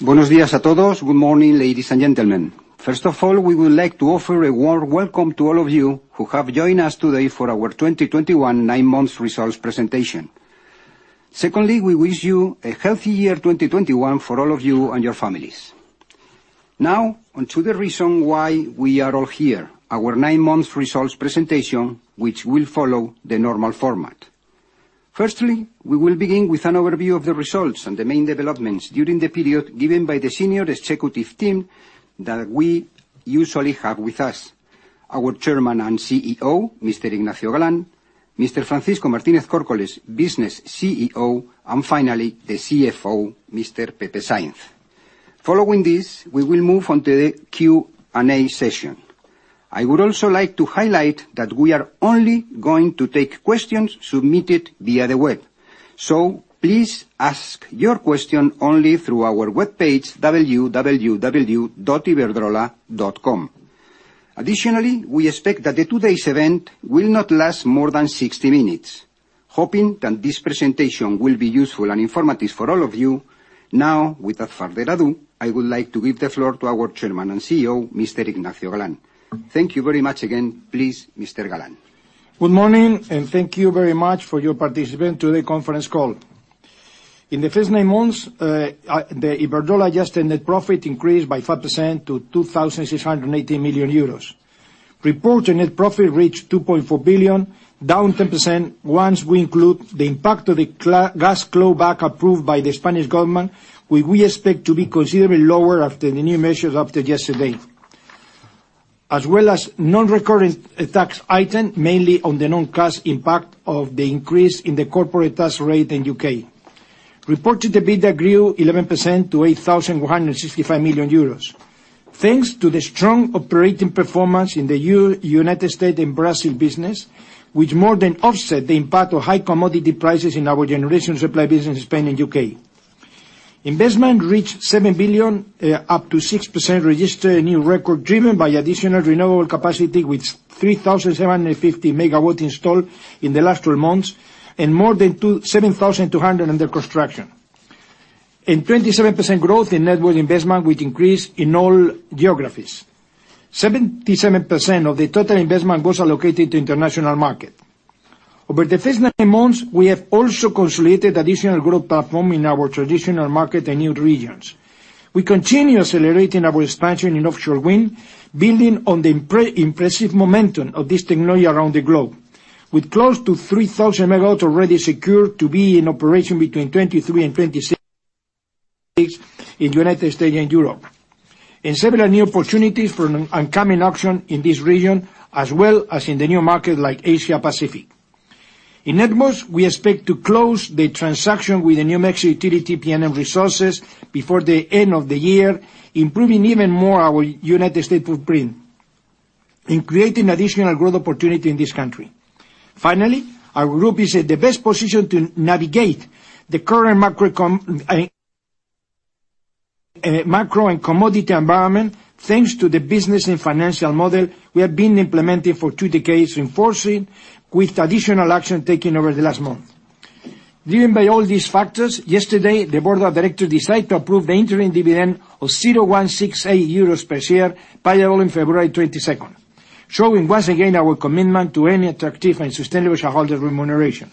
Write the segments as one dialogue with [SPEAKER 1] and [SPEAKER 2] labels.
[SPEAKER 1] Good morning, ladies and gentlemen. First of all, we would like to offer a warm welcome to all of you who have joined us today for our 2021 nine months results presentation. Secondly, we wish you a healthy year 2021 for all of you and your families. Now, onto the reason why we are all here, our nine months results presentation, which will follow the normal format. Firstly, we will begin with an overview of the results and the main developments during the period given by the senior executive team that we usually have with us. Our Chairman and CEO, Mr. Ignacio Galán, Mr. Francisco Martínez Córcoles, Business CEO, and finally, the CFO, Mr. Pepe Sainz. Following this, we will move on to the Q&A session. I would also like to highlight that we are only going to take questions submitted via the web. Please ask your question only through our webpage, www.iberdrola.com. Additionally, we expect that today's event will not last more than 60 minutes. Hoping that this presentation will be useful and informative for all of you, now, without further ado, I would like to give the floor to our Chairman and CEO, Mr. Ignacio Galán. Thank you very much again. Please, Mr. Galán.
[SPEAKER 2] Good morning, and thank you very much for your participation to the conference call. In the first nine months, the Iberdrola adjusted net profit increased by 5% to 2,680 million euros. Reported net profit reached 2.4 billion, down 10% once we include the impact of the gas clawback approved by the Spanish government, which we expect to be considerably lower after the new measures adopted yesterday, as well as a non-recurring tax item, mainly from the non-cash impact of the increase in the corporate tax rate in U.K. Reported EBITDA grew 11% to 8,165 million euros, thanks to the strong operating performance in the United States and Brazil business, which more than offset the impact of high commodity prices in our generation supply business in Spain and U.K. Investment reached 7 billion, up 6%, registering a new record driven by additional renewable capacity, with 3,750 MW installed in the last three months and more than 7,200 under construction. 27% growth in net worth investment, which increased in all geographies. 77% of the total investment was allocated to international market. Over the first nine months, we have also consolidated additional growth platform in our traditional market and new regions. We continue accelerating our expansion in offshore wind, building on the impressive momentum of this technology around the globe, with close to 3,000 MW already secured to be in operation between 2023 and 2026 in United States and Europe. Several new opportunities for an upcoming auction in this region, as well as in the new market like Asia Pacific. In [Atmos], we expect to close the transaction with the New Mexico utility PNM Resources before the end of the year, improving even more our United States footprint and creating additional growth opportunity in this country. Finally, our group is at the best position to navigate the current macro and commodity environment, thanks to the business and financial model we have been implementing for two decades, enforcing with additional action taken over the last month. Driven by all these factors, yesterday, the board of directors decided to approve the interim dividend of EUR 0.168 per share, payable on February 22, showing once again our commitment to an attractive and sustainable shareholder remuneration.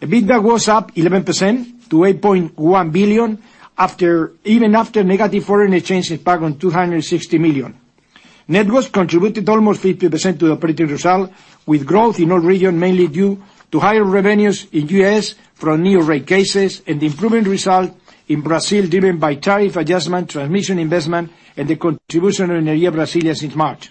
[SPEAKER 2] EBITDA was up 11% to 8.1 billion, even after negative foreign exchange impact of 260 million. Networks contributed almost 50% to the operating result, with growth in all regions mainly due to higher revenues in U.S. from new rate cases and improving results in Brazil, driven by tariff adjustment, transmission investment, and the contribution of Neoenergia since March.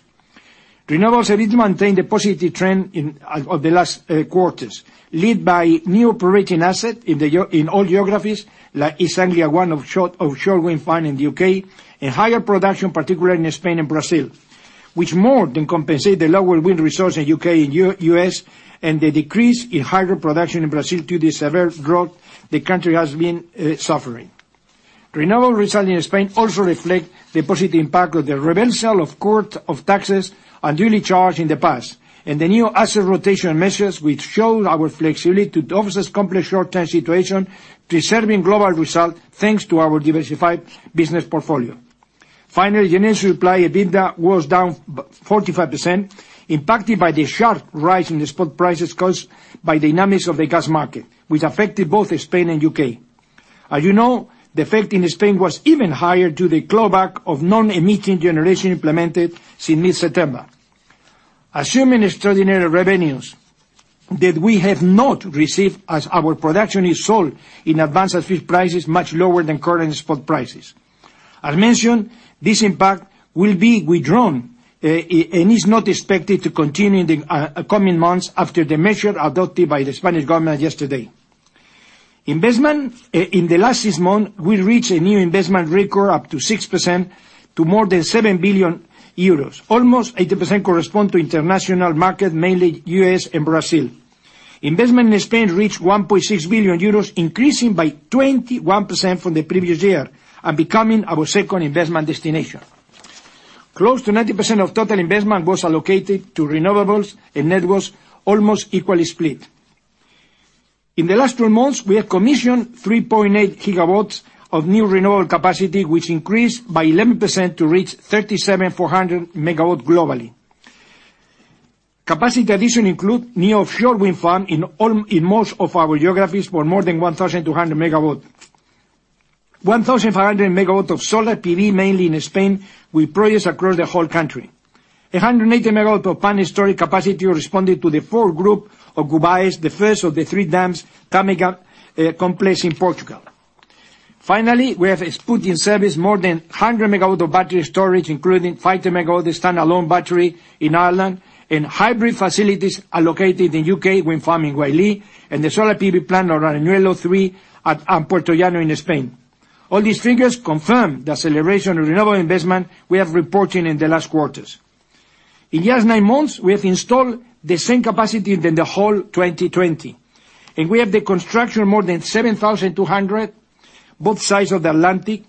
[SPEAKER 2] Renewables EBITDA maintained a positive trend in the last quarters, led by new operating assets in all geographies, like East Anglia ONE offshore wind farm in the U.K., and higher production, particularly in Spain and Brazil, which more than compensate the lower wind resource in U.K. and U.S. and the decrease in hydro production in Brazil due to severe drought the country has been suffering. Renewable result in Spain also reflect the positive impact of the reversal of court of taxes unduly charged in the past and the new asset rotation measures which show our flexibility to offset complex short-term situation, preserving global result thanks to our diversified business portfolio. Finally, generation supply EBITDA was down 45%, impacted by the sharp rise in the spot prices caused by the dynamics of the gas market, which affected both Spain and U.K. As you know, the effect in Spain was even higher due to the clawback of non-emitting generation implemented since mid-September, assuming extraordinary revenues that we have not received as our production is sold in advance at fixed prices much lower than current spot prices. As mentioned, this impact will be withdrawn, and is not expected to continue in the coming months after the measure adopted by the Spanish government yesterday. Investment in the last six months will reach a new investment record up to 6% to more than 7 billion euros. Almost 80% correspond to international market, mainly U.S. and Brazil. Investment in Spain reached 1.6 billion euros, increasing by 21% from the previous year and becoming our second investment destination. Close to 90% of total investment was allocated to renewables and networks almost equally split. In the last 12 months, we have commissioned 3.8 GW of new renewable capacity, which increased by 11% to reach 37.4 GW globally. Capacity addition includes new offshore wind farm in most of our geographies for more than 1,200 MW. 1,500 MW of solar PV, mainly in Spain, with projects across the whole country. 180 MW of battery storage capacity responded to the four group of Gouvães, the first of the three dams Tâmega complex in Portugal. Finally, we have put in service more than a hundred MW of battery storage, including 5 MW of standalone battery in Ireland and hybrid facilities allocated in the U.K, when forming Whitelee and the solor [pb plan], or [Renault 3] at [Ampotaliano] in Spain. All these figures confirm the celebration of renewal investment, as we are reporting in the last quarters. In the nine months, we have installed the same capacity as in the the whole of 2020. And we have constructed more than 7,200 on both side of the Atlantic.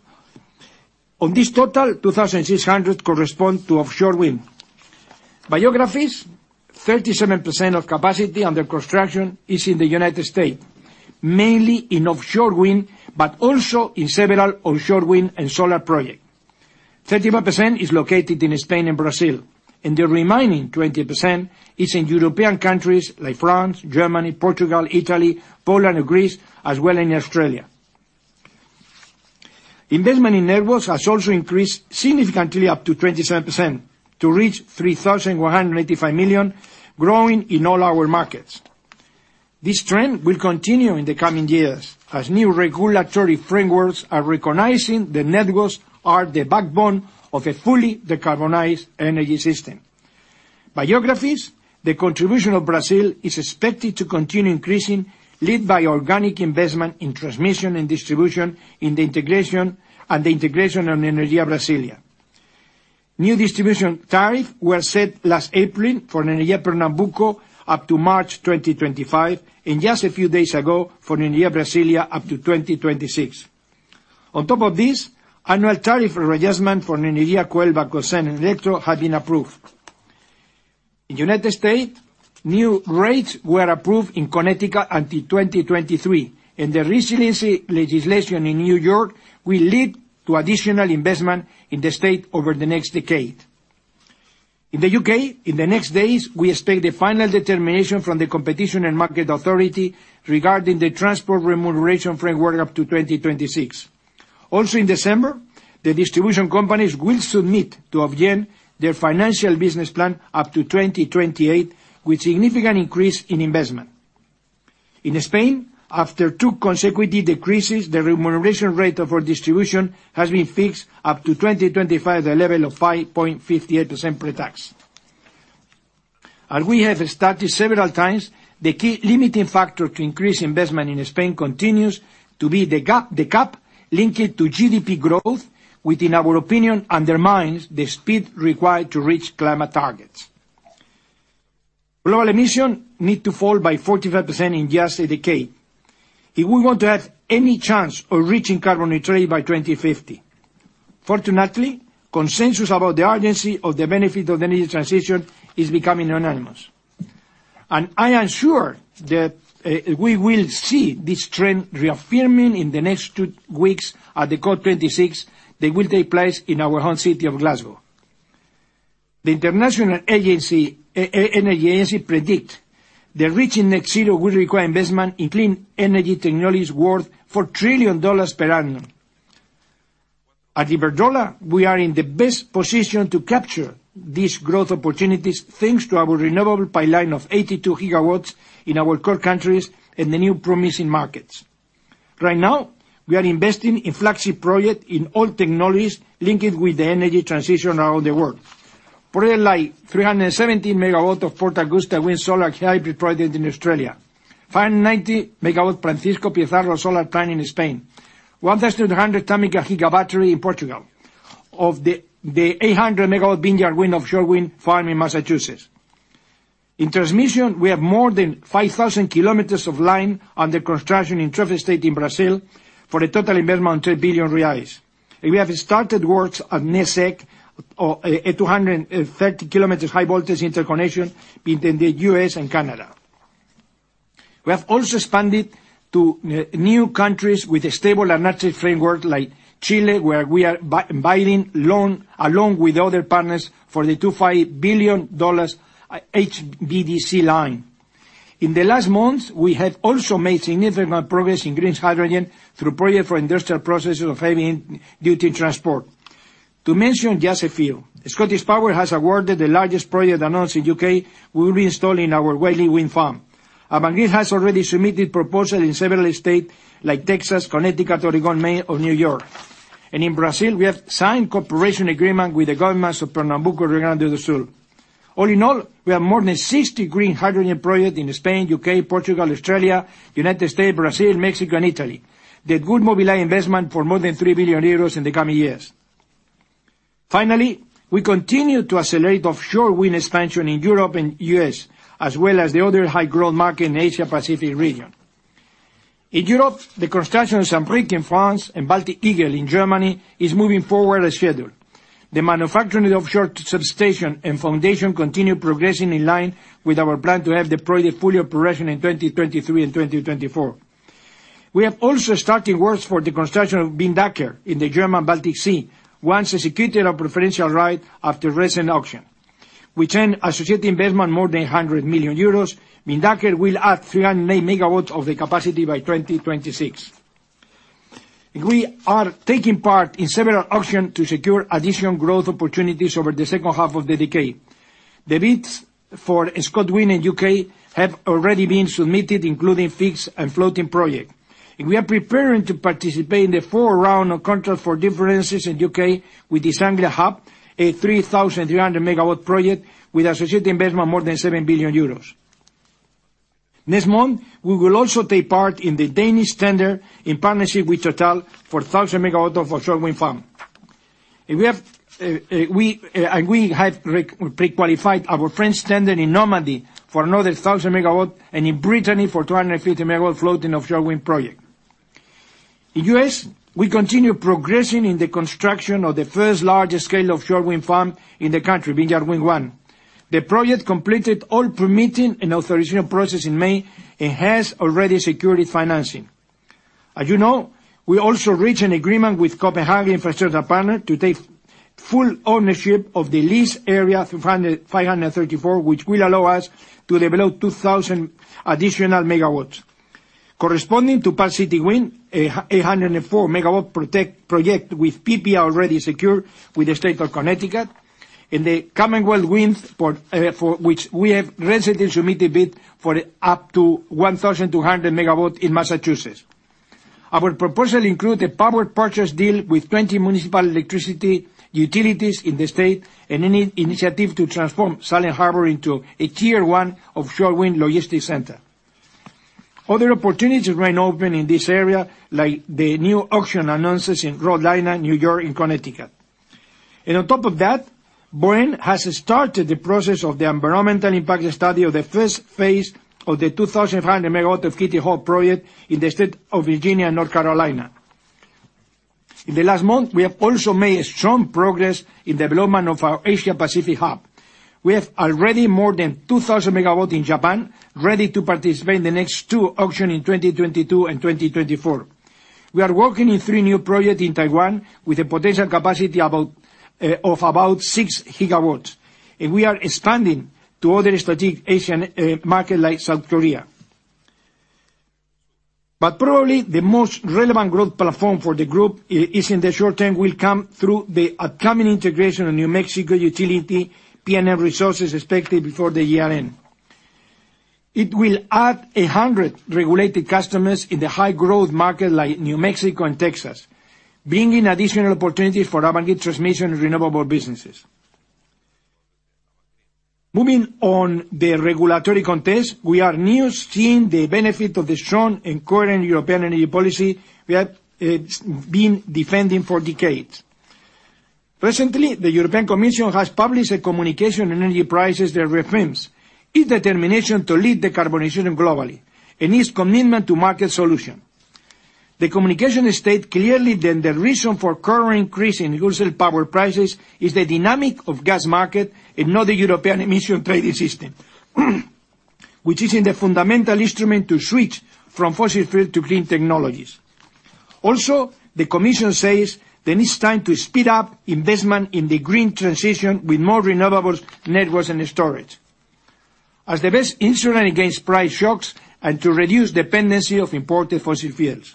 [SPEAKER 2] Of this total, 2,600 correspond to offshore wind. By geography, 37% of capacity under construction is in the United States, mainly offshore wind, but also several onshore wind and solar projects. 35% is located in Spain and Brazil, and the remaining 20% is in European countries, like France, Germany, Portugal, Italy, Poland and Greece, as well as in Australia. Network investments increased significantly up to 27% to reach 3,185 million, growing in all our markets. This trend will continue in the coming years as new regulatory frameworks are recognizing that net growth is the backbone of a fully decarbonized energy system. By geography, the contribution of Brazil is expected to continue increasing, led by organic investment in transmission and distribution and the integration of the energy of Brazil. New distribution types were set last April for Neoenergia Pernambuco up to March 2025, and just a few days ago for Neoenergia Brasília up to 2026. On top of this, annual tariff adjustments for Energia, Cuerva, [Coa, and Neto] have been approved. In the United States, new rates were approved in Connecticut until 2023, and the resilience legislation in New York will lead to additional investment in the state over the next decade. In the U.K., in the next few days, we expect the final determination from the Competition and Markets Authority regarding the transfer removal rate of work up to 2026. Also in December, the distribution companies will submit to obtain the financial business plan up to 2028, which includes a significant incrase in investment. In Spain, after two consecutive decreases, the remuneration rate of our distribution has been fixed up to 2025 at the level of 5.58%. As we have stated several times, the key limiting factor to increase investment in Spain continues to be the cap on the cut linked to GDP growth, which, in our opinion, undermines the speed required to reach climate targets. Global emissions need to fall by 45% in just a decade if we want to have any chance of reaching carbon neutrality by 2050. Fortunately, consensus about the urgency and benefits of the transition is becoming unanimous. And I assured you that if we see the trend reaffirmed in the next two weeks at COP26, which will take place in our hometown at Glasgow. The International Energy Agency predict that reaching net zero will require investment in clean energy technologies worth $4 trillion per annum. At Iberdrola, we are in the best position to capture these growth opportunities thanks to our renewable pipeline of 82 GW in our core countries and the new promising markets. Right now, we are investing in flagship project in all technologies linked with the energy transition around the world. Projects like 370 MW of Port Augusta wind, solar, and hybrid project in Australia. 590 MW Francisco Pizarro solar plant in Spain. 1,200 Tâmega giga battery in Portugal. The 800 MW Vineyard Wind offshore wind farm in Massachusetts. In transmission, we have more than 5,000 km of line under construction in three states in Brazil for a total investment of billion reals. We have started works at NECEC, a 230 km high voltage interconnection between the U.S. and Canada. We have also expanded to new countries with a stable and active framework like Chile, where we are bidding, along with other partners, for the $2.5 billion HVDC line. In the last months, we have also made significant progress in green hydrogen through projects for industrial processes of heavy-duty transport. To mention just a few, ScottishPower has awarded the largest project announced in the U.K. We will be installing our Whitelee Wind Farm. Avangrid has already submitted proposals in several states like Texas, Connecticut, Oregon, Maine or New York. In Brazil, we have signed cooperation agreement with the governments of Pernambuco and Rio Grande do Sul. All in all, we have more than 60 green hydrogen projects in Spain, U.K., Portugal, Australia, United States, Brazil, Mexico and Italy. They would mobilize investment for more than 3 billion euros in the coming years. Finally, we continue to accelerate offshore wind expansion in Europe and U.S., as well as the other high-growth market in Asia-Pacific region. In Europe, the construction of Saint-Brieuc in France and Baltic Eagle in Germany is moving forward as scheduled. The manufacturing of offshore substation and foundation continue progressing in line with our plan to have the project fully operational in 2023 and 2024. We have also started works for the construction of Windanker in the German Baltic Sea, once executed on preferential right after recent auction. The associated investment is more than 100 million euros. Windanker will add 308 MW of capacity by 2026. We are taking part in several auctions to secure additional growth opportunities over the second half of the decade. The bids for ScotWind in the U.K. have already been submitted, including fixed and floating projects. We are preparing to participate in the fourth round of Contracts for Difference in the U.K. with East Anglia Hub, a 3,300 MW project with associated investment more than 7 billion euros. Next month, we will also take part in the Danish tender in partnership with TotalEnergies for 1,000 MW of offshore wind farm. We have re-prequalified our French tender in Normandy for another 1,000 MW and in Brittany for 250 MW floating offshore wind project. In U.S., we continue progressing in the construction of the first large-scale offshore wind farm in the country, Vineyard Wind 1. The project completed all permitting and authorization process in May and has already secured its financing. As you know, we also reached an agreement with Copenhagen Infrastructure Partners to take full ownership of the lease area OCS-A 0534, which will allow us to develop 2,000 additional MW corresponding to Park City Wind, an 804 MW project with PPA already secured with the state of Connecticut and the Commonwealth Wind, for which we have recently submitted bid for up to 1,200 MW in Massachusetts. Our proposal include a power purchase deal with 20 municipal electricity utilities in the state and initiative to transform Salem Harbor into a tier one offshore wind logistics center. Other opportunities remain open in this area, like the new auctions announced in Rhode Island, New York, and Connecticut. On top of that, BOEM has started the process of the environmental impact study of the first phase of the 2,500 MW of Kitty Hawk project in the state of Virginia and North Carolina. In the last month, we have also made strong progress in development of our Asia-Pacific hub. We have already more than 2,000 MW in Japan ready to participate in the next two auctions in 2022 and 2024. We are working in three new projects in Taiwan with a potential capacity of about 6 GW. We are expanding to other strategic Asian markets like South Korea. Probably the most relevant growth platform for the group is in the short term will come through the upcoming integration of New Mexico utility, PNM Resources expected before the year end. It will add 100 regulated customers in the high-growth market like New Mexico and Texas, bringing additional opportunities for our wind transmission renewable businesses. Moving on the regulatory context, we are now seeing the benefit of the strong and current European energy policy we have been defending for decades. Recently, the European Commission has published a communication on energy prices that reaffirms its determination to lead the carbon issue globally and its commitment to market solution. The Commission states clearly that the reason for current increase in wholesale power prices is the dynamics of the gas market and not the European Emissions Trading System, which is the fundamental instrument to switch from fossil fuels to clean technologies. The Commission says that it's time to speed up investment in the green transition with more renewables, networks and storage as the best insurance against price shocks and to reduce dependency on imported fossil fuels.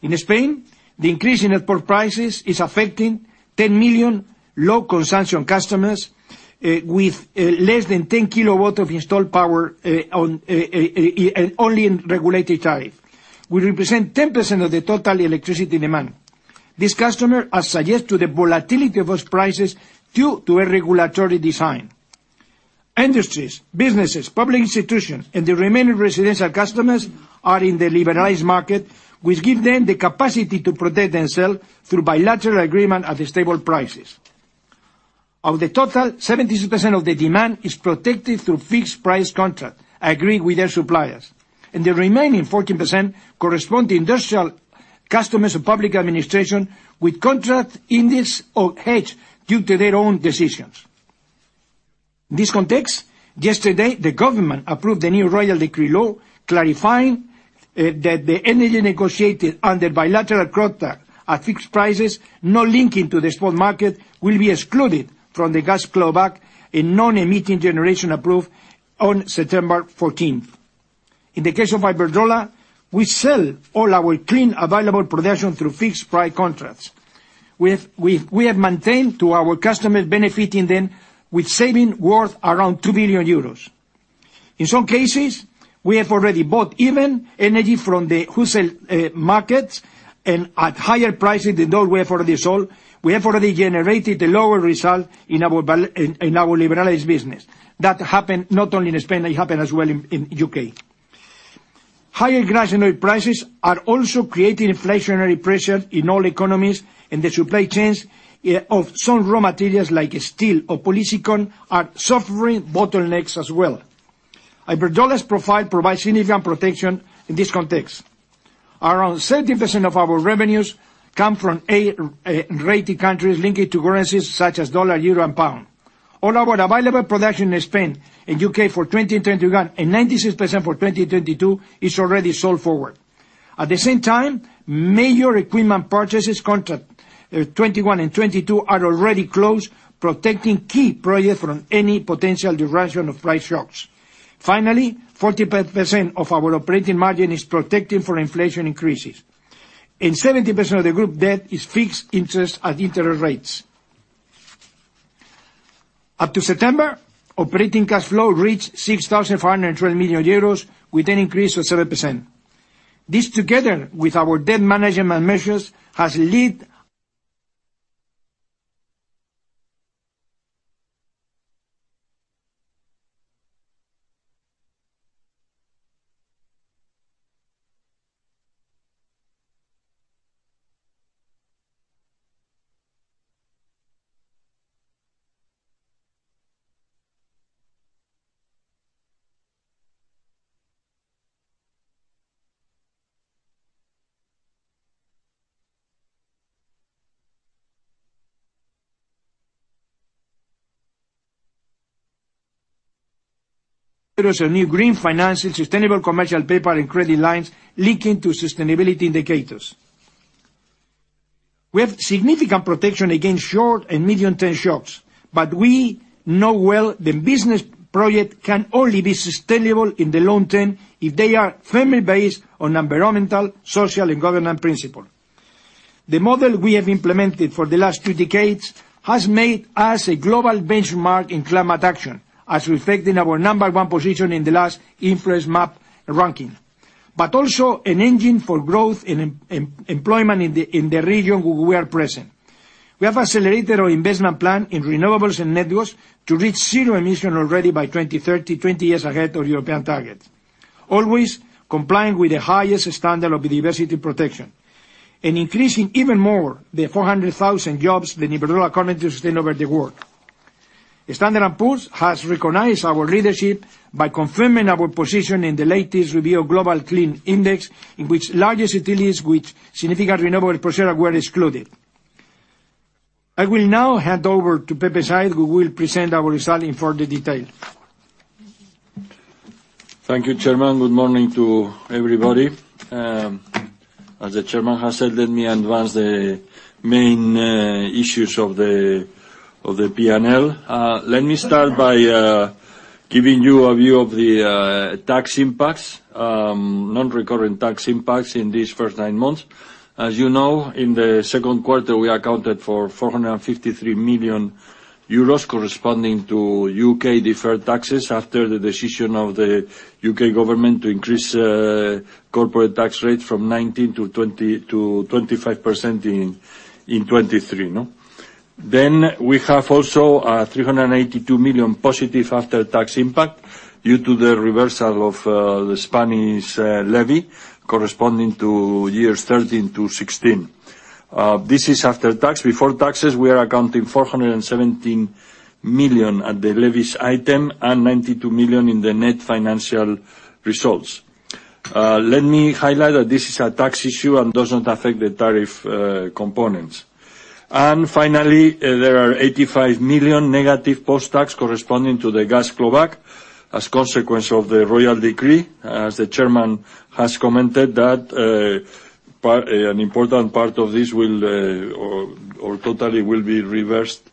[SPEAKER 2] In Spain, the increase in import prices is affecting 10 million low consumption customers with less than 10 kW of installed power and only in regulated tariff. We represent 10% of the total electricity demand. These customers are subject to the volatility of gas prices due to a regulatory design. Industries, businesses, public institutions, and the remaining residential customers are in the liberalized market, which give them the capacity to protect themselves through bilateral agreement at stable prices. Of the total, 76% of the demand is protected through fixed price contract agreed with their suppliers, and the remaining 14% correspond to industrial customers of public administration with contract index or hedge due to their own decisions. This context, yesterday, the government approved the new royal decree law clarifying that the energy negotiated under bilateral contract at fixed prices not linking to the spot market will be excluded from the gas clawback in non-emitting generation approved on September fourteenth. In the case of Iberdrola, we sell all our clean available production through fixed price contracts. We have maintained to our customers benefiting them with savings worth around 2 billion euros. In some cases, we have already bought even energy from the wholesale markets and at higher prices than those we have already sold. We have already generated a lower result in our liberalized business. That happened not only in Spain, it happened as well in U.K. Higher gas and oil prices are also creating inflationary pressure in all economies and the supply chains of some raw materials like steel or polysilicon are suffering bottlenecks as well. Iberdrola's profile provides significant protection in this context. Around 70% of our revenues come from A-rated countries linked to currencies such as dollar, euro, and pound. All our available production is spent in U.K. for 2021 and 96% for 2022 is already sold forward. At the same time, major equipment purchases contracts for 2021 and 2022 are already closed, protecting key projects from any potential duration of price shocks. Finally, 40% of our operating margin is protected from inflation increases, and 70% of the group debt is fixed interest at interest rates. Up to September, operating cash flow reached 6,412 million euros, with an increase of 7%. This, together with our debt management measures, has led. There is a new green finance and sustainable commercial paper and credit lines linking to sustainability indicators. We have significant protection against short and medium-term shocks, but we know well the business project can only be sustainable in the long term if they are firmly based on environmental, social, and governance principles. The model we have implemented for the last two decades has made us a global benchmark in climate action, as reflected in our number one position in the last InfluenceMap Ranking. Also an engine for growth and employment in the region we are present. We have accelerated our investment plan in renewables and networks to reach zero emission already by 2030, 20 years ahead of European targets. Always complying with the highest standard of biodiversity protection and increasing even more the 400,000 jobs that Iberdrola currently sustains around the world. Standard & Poor's has recognized our leadership by confirming our position in the latest S&P Global Clean Energy Index, in which largest utilities with significant renewable portfolio were excluded. I will now hand over to Pepe Sainz, who will present our result in further detail.
[SPEAKER 3] Thank you, Chairman. Good morning to everybody. As the Chairman has said, let me advance three main issues of the P&L. Let me start by giving you a view of the tax impacts. Non-recurring tax impacts in these first nine months. As you know, in the second quarter, we accounted for 453 million euros corresponding to U.K. deferred taxes after the decision of the U.K. government to increase corporate tax rate from 19%-25% in 2023. Then we have also a 382 million positive after-tax impact due to the reversal of the Spanish levy corresponding to years 2013-2016. This is after tax. Before taxes, we are accounting 417 million at the levies item and 92 million in the net financial results. Let me highlight that this is a tax issue and doesn't affect the tariff components. Finally, there are 85 million negative post-tax corresponding to the gas clawback as consequence of the royal decree. As the chairman has commented that an important part of this will or totally will be reversed,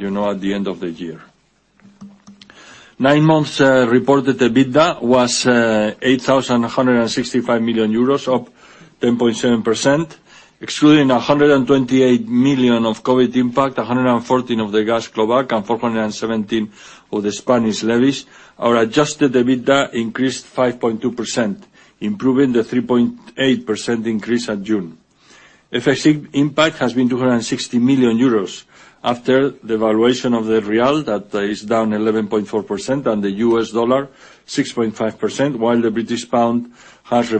[SPEAKER 3] you know, at the end of the year. Nine months reported EBITDA was 8,165 million euros, up 10.7%, excluding 128 million of COVID impact, 114 million of the gas clawback and 417 million of the Spanish levies. Our adjusted EBITDA increased 5.2%, improving the 3.8% increase at June. FX impact has been 260 million euros after the valuation of the real, that is down 11.4% and the US dollar 6.5%, while the British pound has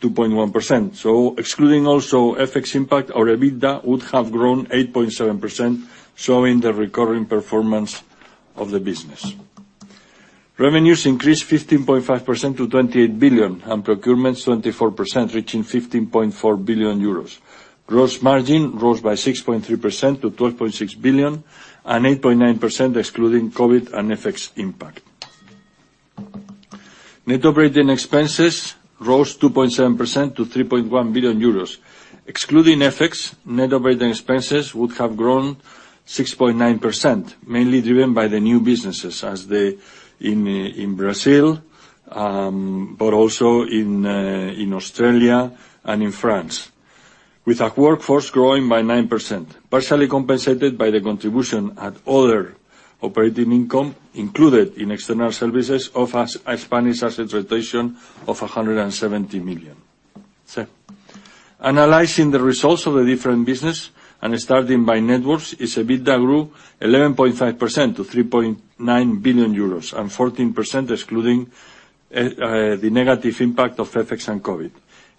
[SPEAKER 3] revalued 2.1%. Excluding also FX impact, our EBITDA would have grown 8.7%, showing the recurring performance of the business. Revenues increased 15.5% to 28 billion and procurements 24%, reaching 15.4 billion euros. Gross margin rose by 6.3% to 12.6 billion and 8.9% excluding COVID and FX impact. Net operating expenses rose 2.7% to 3.1 billion euros. Excluding FX, net operating expenses would have grown 6.9%, mainly driven by the new businesses in Brazil, but also in Australia and in France. With our workforce growing by 9%, partially compensated by the contribution at other operating income included in external services of a Spanish asset rotation of 170 million. Analyzing the results of the different businesses and starting by networks, its EBITDA grew 11.5% to 3.9 billion euros and 14% excluding the negative impact of FX and COVID.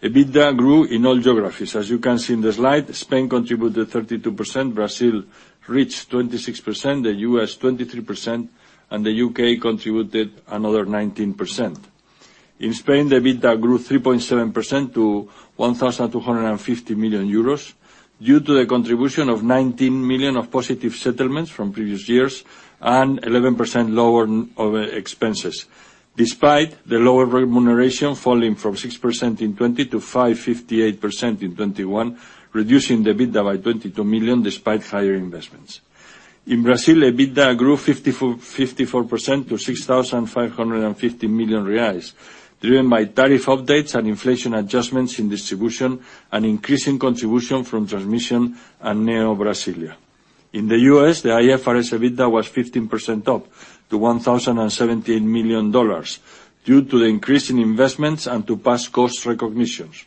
[SPEAKER 3] EBITDA grew in all geographies. As you can see in the slide, Spain contributed 32%, Brazil reached 26%, the U.S. 23%, and the U.K. contributed another 19%. In Spain, the EBITDA grew 3.7% to 1,250 million euros due to the contribution of 19 million of positive settlements from previous years and 11% lower OpEx. Despite the lower remuneration falling from 6% in 2020 to 5.58% in 2021, reducing the EBITDA by 22 million despite higher investments. In Brazil, EBITDA grew 54% to 6,050 million reais, driven by tariff updates and inflation adjustments in distribution and increasing contribution from transmission and Neoenergia. In the U.S., the IFRS EBITDA was 15% up to $1,017 million due to the increase in investments and to past cost recognitions.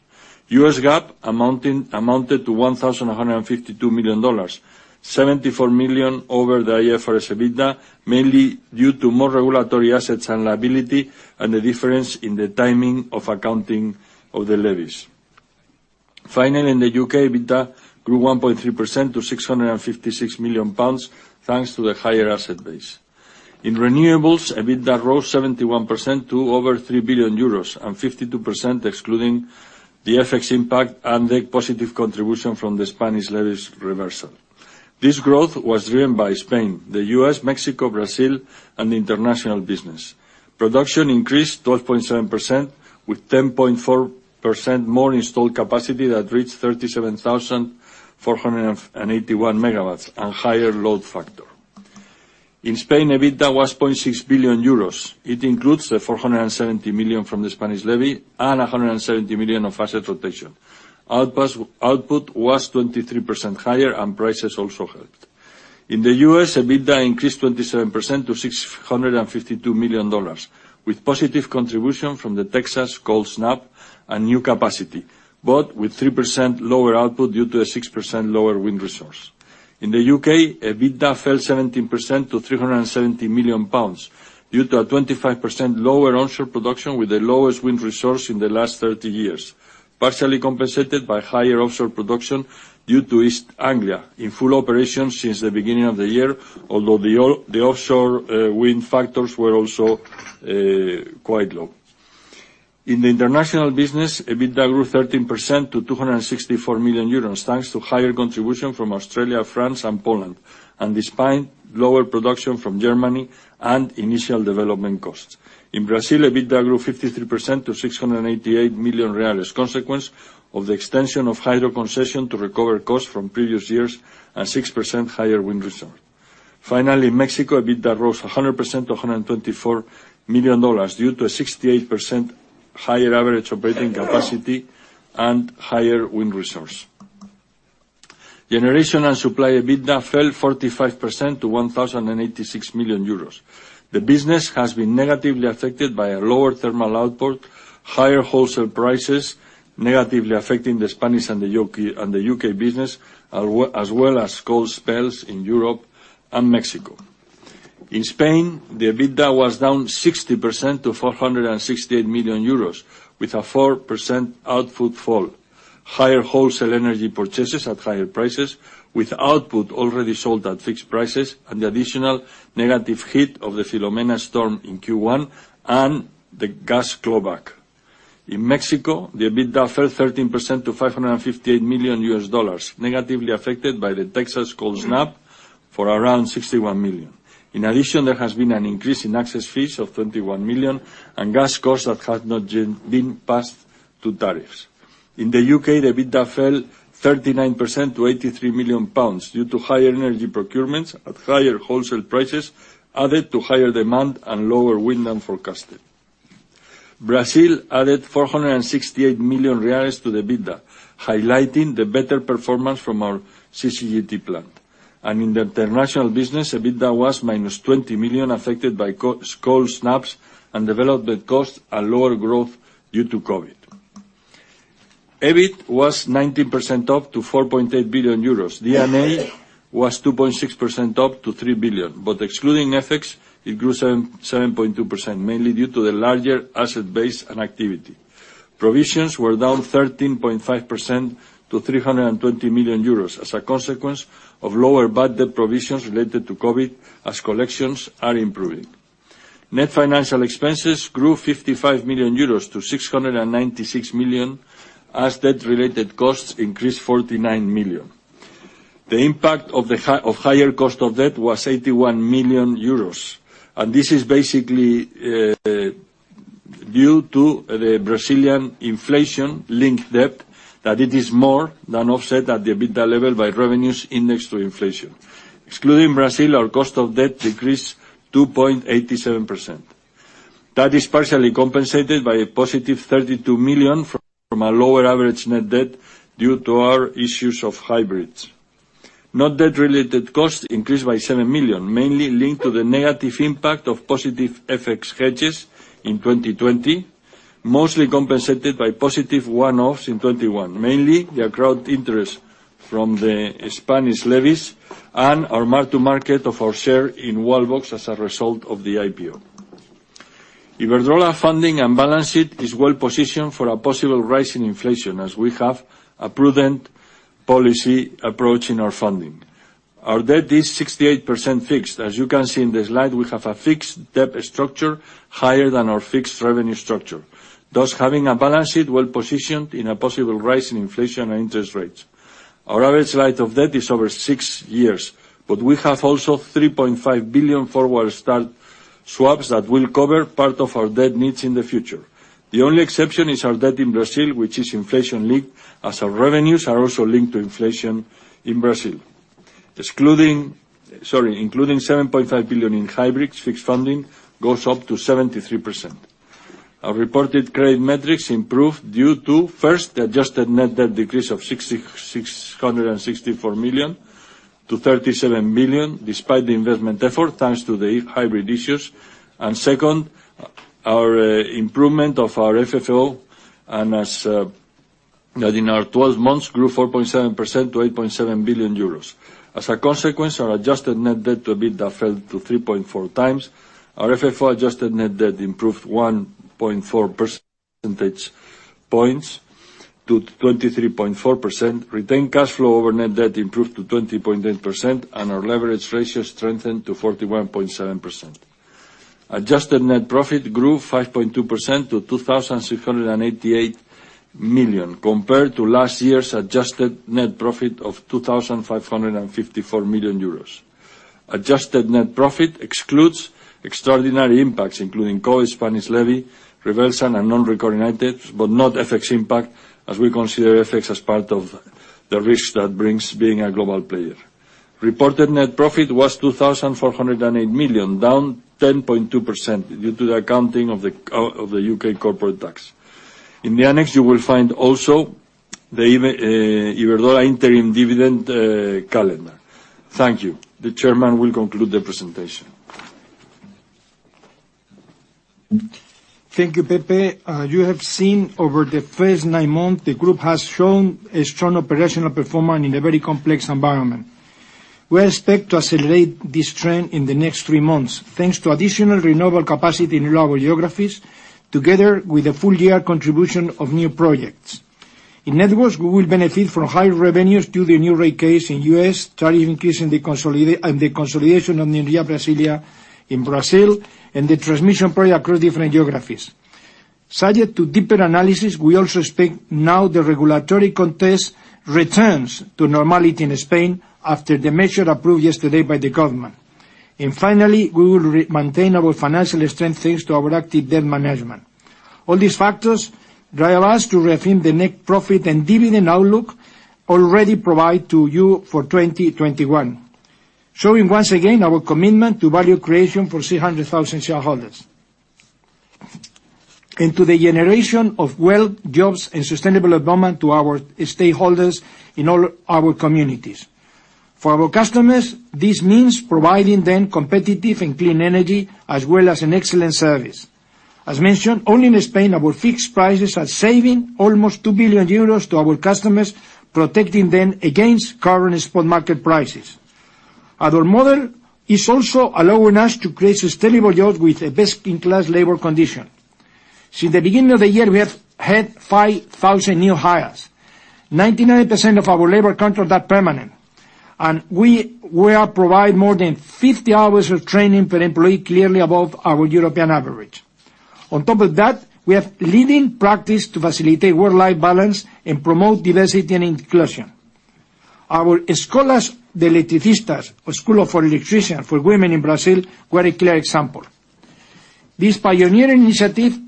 [SPEAKER 3] U.S. GAAP amounted to $1,152 million, $74 million over the IFRS EBITDA, mainly due to more regulatory assets and liability and the difference in the timing of accounting of the levies. Finally, in the U.K., EBITDA grew 1.3% to 656 million pounds, thanks to the higher asset base. In renewables, EBITDA rose 71% to over 3 billion euros and 52% excluding the FX impact and the positive contribution from the Spanish levies reversal. This growth was driven by Spain, the U.S., Mexico, Brazil, and the international business. Production increased 12.7% with 10.4% more installed capacity that reached 37,481 MW and higher load factor. In Spain, EBITDA was 0.6 billion euros. It includes 470 million from the Spanish levy and 170 million of asset rotation. Output was 23% higher and prices also helped. In the U.S., EBITDA increased 27% to $652 million with positive contribution from the Texas cold snap and new capacity, but with 3% lower output due to a 6% lower wind resource. In the U.K., EBITDA fell 17% to 370 million pounds due to a 25% lower onshore production with the lowest wind resource in the last 30 years, partially compensated by higher offshore production due to East Anglia in full operation since the beginning of the year. Although the offshore wind factors were also quite low. In the international business, EBITDA grew 13% to 264 million euros, thanks to higher contribution from Australia, France, and Poland, and despite lower production from Germany and initial development costs. In Brazil, EBITDA grew 53% to 688 million, consequence of the extension of hydro concession to recover costs from previous years and 6% higher wind resource. Finally, in Mexico, EBITDA rose 100% to $124 million due to a 68% higher average operating capacity and higher wind resource. Generation and supply EBITDA fell 45% to 1,086 million euros. The business has been negatively affected by a lower thermal output, higher wholesale prices, negatively affecting the Spanish and the U.K., and the U.K. business, as well as cold spells in Europe and Mexico. In Spain, the EBITDA was down 60% to 468 million euros with a 4% output fall, higher wholesale energy purchases at higher prices with output already sold at fixed prices and the additional negative hit of the Filomena storm in Q1 and the gas clawback. In Mexico, the EBITDA fell 13% to $558 million, negatively affected by the Texas cold snap for around $61 million. In addition, there has been an increase in access fees of $21 million and gas costs that had not been passed to tariffs. In the U.K., the EBITDA fell 39% to 83 million pounds due to higher energy procurements at higher wholesale prices added to higher demand and lower wind than forecasted. Brazil added 468 million reais to the EBITDA, highlighting the better performance from our CCGT plant. In the international business, EBITDA was -20 million affected by cold snaps and development costs and lower growth due to COVID. EBIT was 19% up to 4.8 billion euros. D&A was 2.6% up to 3 billion, but excluding FX, it grew 7.2%, mainly due to the larger asset base and activity. Provisions were down 13.5% to 320 million euros as a consequence of lower bad debt provisions related to COVID as collections are improving. Net financial expenses grew 55 million-696 million euros as debt-related costs increased 49 million. The impact of the higher cost of debt was 81 million euros, and this is basically due to the Brazilian inflation-linked debt that it is more than offset at the EBITDA level by revenues indexed to inflation. Excluding Brazil, our cost of debt decreased 2.87%. That is partially compensated by a positive 32 million from a lower average net debt due to our issuances of hybrids. Net debt-related costs increased by 7 million, mainly linked to the negative impact of positive FX hedges in 2020, mostly compensated by positive one-offs in 2021, mainly the accrued interest from the Spanish levies and our mark to market of our share in Wallbox as a result of the IPO. Iberdrola's funding and balance sheet is well positioned for a possible rise in inflation, as we have a prudent policy approach in our funding. Our debt is 68% fixed. As you can see in the slide, we have a fixed debt structure higher than our fixed revenue structure, thus having a balance sheet well positioned in a possible rise in inflation and interest rates. Our average life of debt is over six years, but we have also 3.5 billion forward start swaps that will cover part of our debt needs in the future. The only exception is our debt in Brazil, which is inflation-linked, as our revenues are also linked to inflation in Brazil. Including 7.5 billion in hybrids, fixed funding goes up to 73%. Our reported credit metrics improved due to, first, the adjusted net debt decrease of 6,664 million-37 billion, despite the investment effort, thanks to the hybrid issues. Second, our improvement of our FFO that in our twelve months grew 4.7% to 8.7 billion euros. As a consequence, our adjusted net debt to EBITDA fell to 3.4x. Our FFO-adjusted net debt improved 1.4 percentage points to 23.4%. Retained cash flow over net debt improved to 20.8%, and our leverage ratio strengthened to 41.7%. Adjusted net profit grew 5.2% to 2,688 million, compared to last year's adjusted net profit of 2,554 million euros. Adjusted net profit excludes extraordinary impacts, including COVID, Spanish levy, reversals, and non-recurring items, but not FX impact, as we consider FX as part of the risk that brings being a global player. Reported net profit was 2,408 million, down 10.2% due to the accounting of the change of the U.K. corporate tax. In the annex, you will find also the Iberdrola interim dividend calendar. Thank you. The chairman will conclude the presentation.
[SPEAKER 2] Thank you, Pepe. You have seen over the first nine months, the group has shown a strong operational performance in a very complex environment. We expect to accelerate this trend in the next three months, thanks to additional renewable capacity in lower geographies, together with the full year contribution of new projects. In networks, we will benefit from higher revenues due to the new rate case in U.S., tariff increase in the consolidated and the consolidation of [Enersul] Brasilia in Brazil, and the transmission project across different geographies. Subject to deeper analysis, we also expect now the regulatory context returns to normality in Spain after the measure approved yesterday by the government. Finally, we will maintain our financial strength, thanks to our active debt management. All these factors drive us to rethink the net profit and dividend outlook already provided to you for 2021, showing once again our commitment to value creation for 300,000 shareholders, to the generation of wealth, jobs, and sustainable development to our stakeholders in all our communities. For our customers, this means providing them competitive and clean energy as well as an excellent service. As mentioned, only in Spain, our fixed prices are saving almost 2 billion euros to our customers, protecting them against current spot market prices. Our model is also allowing us to create sustainable jobs with the best-in-class labor condition. Since the beginning of the year, we have had 5,000 new hires. 99% of our labor contracts are permanent, and we will provide more than 50 hours of training per employee, clearly above our European average. On top of that, we have leading practice to facilitate work-life balance and promote diversity and inclusion. Our Escolas de Eletricistas, or School of Electricians for Women in Brazil, were a clear example. This pioneering initiative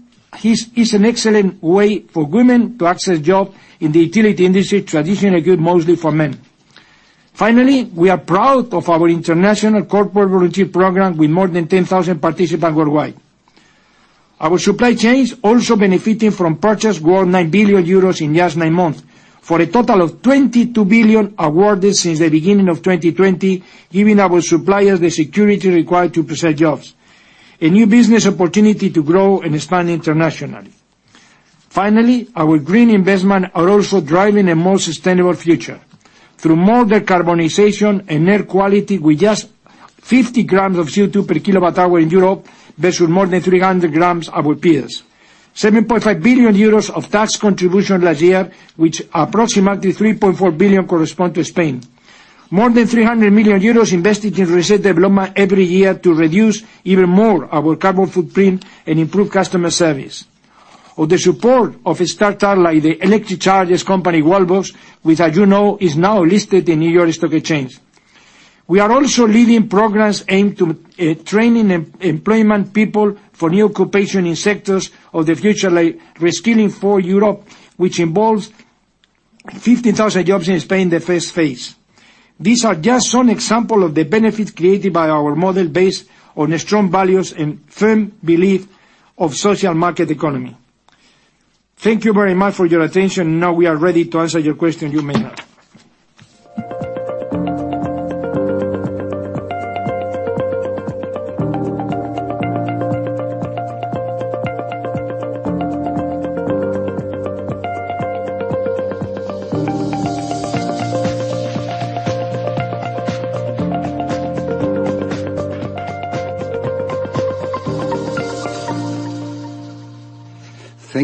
[SPEAKER 2] is an excellent way for women to access jobs in the utility industry, traditionally good mostly for men. Finally, we are proud of our international corporate volunteer program with more than 10,000 participants worldwide. Our supply chains also benefiting from purchase worth 9 billion euros in just nine months, for a total of 22 billion awarded since the beginning of 2020, giving our suppliers the security required to preserve jobs, a new business opportunity to grow and expand internationally. Finally, our green investment are also driving a more sustainable future. Through more decarbonization and air quality, with just 50 g of CO2 per kWh in Europe versus more than 300 g of our peers. 7.5 billion euros of tax contribution last year, which approximately 3.4 billion correspond to Spain. More than 300 million euros invested in research development every year to reduce even more our carbon footprint and improve customer service. With the support of a startup like the electric charging company, Wallbox, which as you know, is now listed in New York Stock Exchange. We are also leading programs aimed to training and employing people for new occupation in sectors of the future, like Re-skilling 4 Employment, which involves 15,000 jobs in Spain in the first phase. These are just some example of the benefits created by our model based on strong values and firm belief of social market economy. Thank you very much for your attention. Now we are ready to answer your question you may have.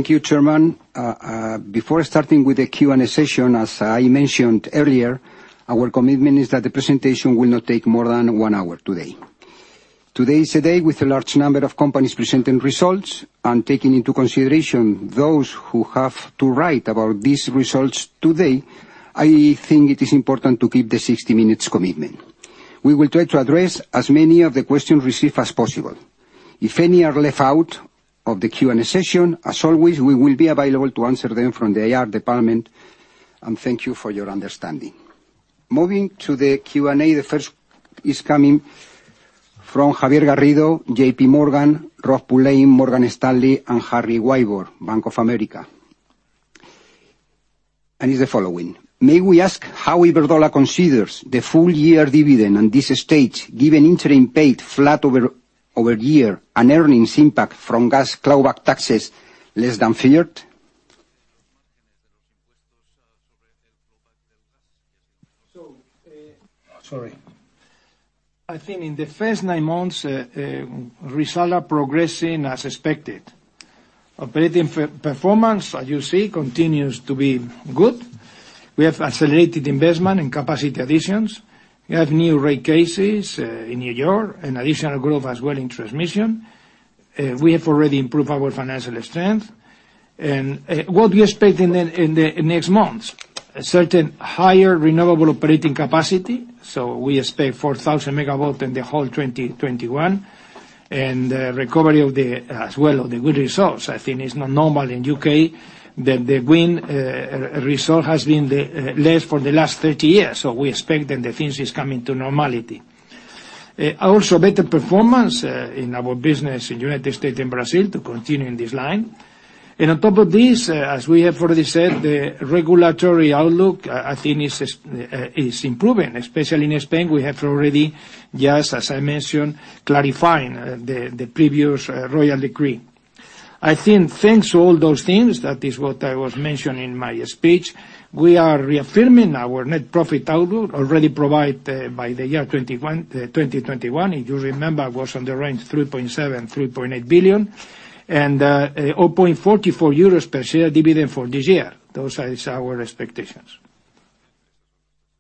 [SPEAKER 1] Thank you, Chairman. Before starting with the Q&A session, as I mentioned earlier, our commitment is that the presentation will not take more than one hour today. Today is a day with a large number of companies presenting results and taking into consideration those who have to write about these results today. I think it is important to keep the 60 minutes commitment. We will try to address as many of the questions received as possible. If any are left out of the Q&A session, as always, we will be available to answer them from the AR department, and thank you for your understanding. Moving to the Q&A, the first is coming from Javier Garrido, JPMorgan, Rob Pulleyn, Morgan Stanley, and Harry Wyburd, Bank of America. It's the following: May we ask how Iberdrola considers the full year dividend at this stage, given interim paid flat over year and earnings impact from gas clawback taxes less than feared?
[SPEAKER 2] I think in the first nine months, results are progressing as expected. Operating performance, as you see, continues to be good. We have accelerated investment in capacity additions. We have new rate cases in New York, and additional growth as well in transmission. We have already improved our financial strength. What we expect in the next months is certainly higher renewable operating capacity. We expect 4,000 MW in the whole 2021. Recovery of the wind results as well, I think is not normal in the U.K., that the wind result has been the least for the last 30 years. We expect that the thing is coming to normality. Also better performance in our business in United States and Brazil to continue in this line. On top of this, as we have already said, the regulatory outlook, I think is improving, especially in Spain. We have already, as I mentioned, clarifying the previous royal decree. I think thanks to all those things, that is what I was mentioning in my speech, we are reaffirming our net profit outlook, already provided by the year 2021. If you remember, was on the range 3.7 billion-3.8 billion. 0.44 euros per share dividend for this year. Those is our expectations.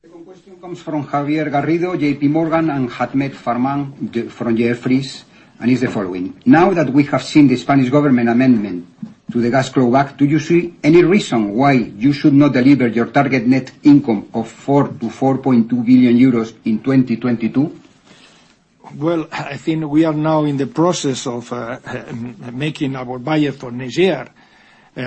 [SPEAKER 1] The question comes from Javier Garrido, JPMorgan, and Ahmed Farman from Jefferies, and is the following: Now that we have seen the Spanish government amendment to the gas clawback, do you see any reason why you should not deliver your target net income of 4 billion-4.2 billion euros in 2022?
[SPEAKER 2] Well, I think we are now in the process of making our budget for next year.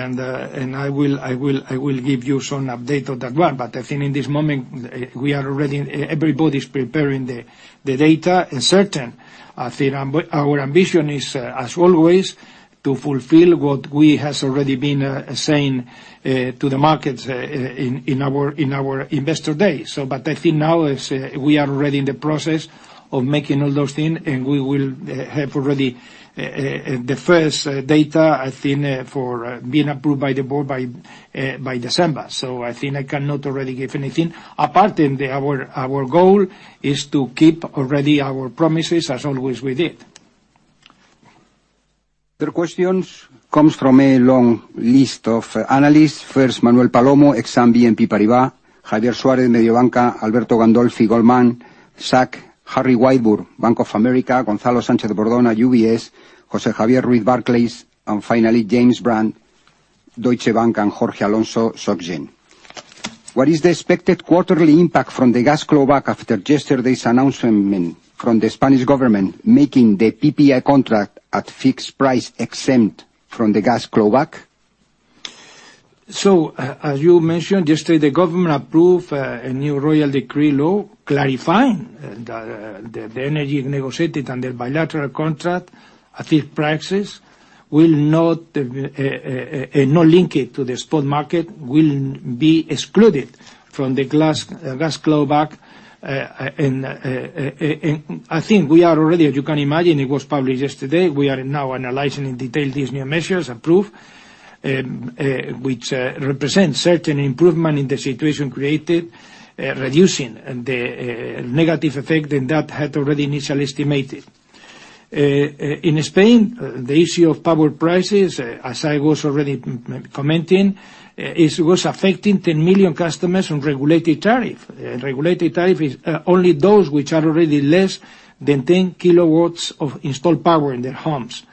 [SPEAKER 2] I will give you some update on that one. I think in this moment, we are already everybody's preparing the data and certain, I think. Our ambition is, as always, to fulfill what we has already been saying to the markets in our investor day. I think now is we are already in the process of making all those things, and we will have the first data, I think, for being approved by the board by December. I think I cannot already give anything. Apart in our goal is to keep already our promises as always we did.
[SPEAKER 1] The question comes from a long list of analysts. First, Manuel Palomo, Exane BNP Paribas, Javier Suárez, Mediobanca, Alberto Gandolfi, Goldman Sachs, Harry Wyburd, Bank of America, Gonzalo Sánchez-Bordona, UBS, José Javier Ruiz, Barclays, and finally, James Brand, Deutsche Bank, and Jorge Alonso, SocGen. What is the expected quarterly impact from the gas clawback after yesterday's announcement from the Spanish government making the PPA contract at fixed price exempt from the gas clawback?
[SPEAKER 2] As you mentioned yesterday, the government approved a new royal decree law clarifying that the energy negotiated under bilateral contract at fixed prices with no linkage to the spot market will be excluded from the gas clawback. I think we are already, as you can imagine, analyzing it in detail. It was published yesterday. We are now analyzing in detail these new measures approved, which represent certain improvement in the situation created, reducing the negative effect that had already initially estimated. In Spain, the issue of power prices, as I was already commenting, is affecting 10 million customers on regulated tariff. Regulated tariff is only those which are already less than 10 kW of installed power in their homes.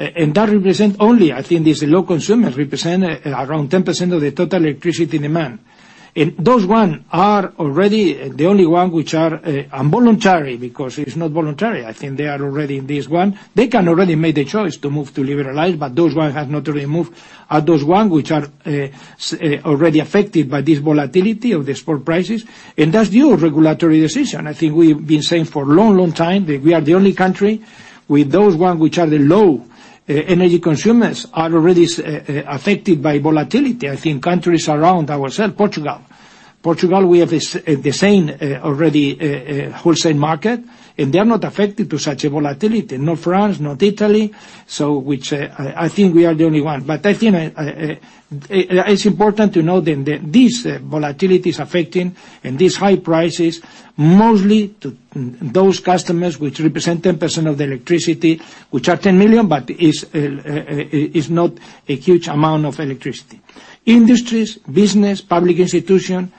[SPEAKER 2] That represent only, I think these low consumers represent around 10% of the total electricity demand. Those ones are already the only ones which are involuntary, because it's not voluntary. I think they are already in this one. They can already make the choice to move to liberalized, but those ones have not already moved are those ones which are already affected by this volatility of the spot prices. That's due to regulatory decision. I think we've been saying for a long, long time that we are the only country with those ones which are the low energy consumers are already affected by volatility. I think countries around ourselves, Portugal, we have the same already wholesale market, and they are not affected by such a volatility. Not France, not Italy. I think we are the only one. I think it's important to know that this volatility is affecting, and these high prices, mostly those customers which represent 10% of the electricity, which are 10 million, but it is not a huge amount of electricity. Industries, business, public institution,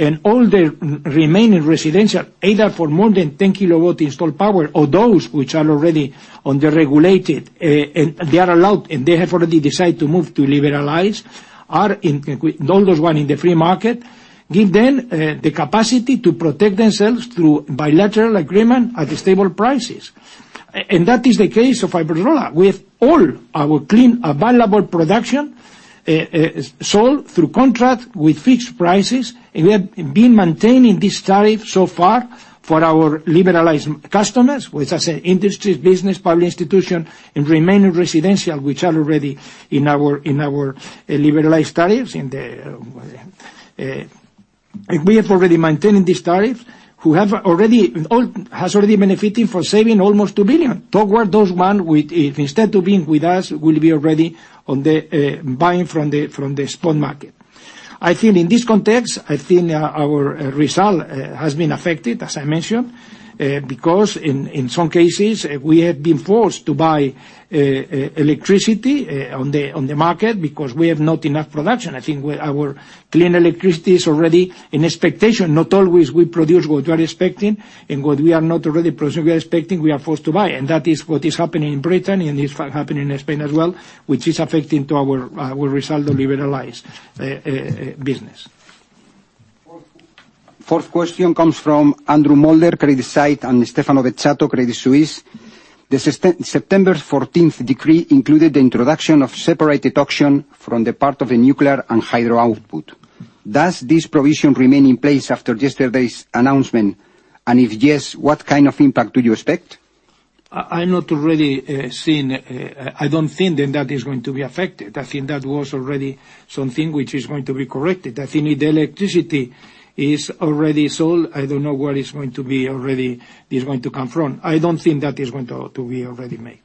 [SPEAKER 2] and all the remaining residential, either for more than 10 kW installed power or those which are already on the regulated, and they are allowed, and they have already decided to move to liberalize, all those ones in the free market, give them the capacity to protect themselves through bilateral agreement at stable prices. That is the case of Iberdrola. With all our clean available production is sold through contract with fixed prices, and we have been maintaining this tariff so far for our liberalized customers. Which, as I said, industries, business, public institution, and remaining residential which are already in our liberalized tariffs. We have already maintained this tariff, who have benefited from saving almost 2 billion. Towards those ones who, if instead of being with us, will be already buying from the spot market. I think in this context, I think our result has been affected, as I mentioned, because in some cases, we have been forced to buy electricity on the market because we have not enough production. I think our clean electricity is already an expectation. Not always we produce what we are expecting. What we are not already producing we are expecting, we are forced to buy. That is what is happening in Britain, and it's happening in Spain as well, which is affecting to our our result of liberalized business.
[SPEAKER 1] Fourth question comes from Andrew Moulder, CreditSights, and Stefano Bezzato, Credit Suisse. The September 14th decree included the introduction of separate auction for the part of the nuclear and hydro output. Does this provision remain in place after yesterday's announcement? If yes, what kind of impact do you expect?
[SPEAKER 2] I'm not really seeing. I don't think then that is going to be affected. I think that was already something which is going to be corrected. I think if the electricity is already sold, I don't know where it's going to be already, is going to come from. I don't think that is going to be already made.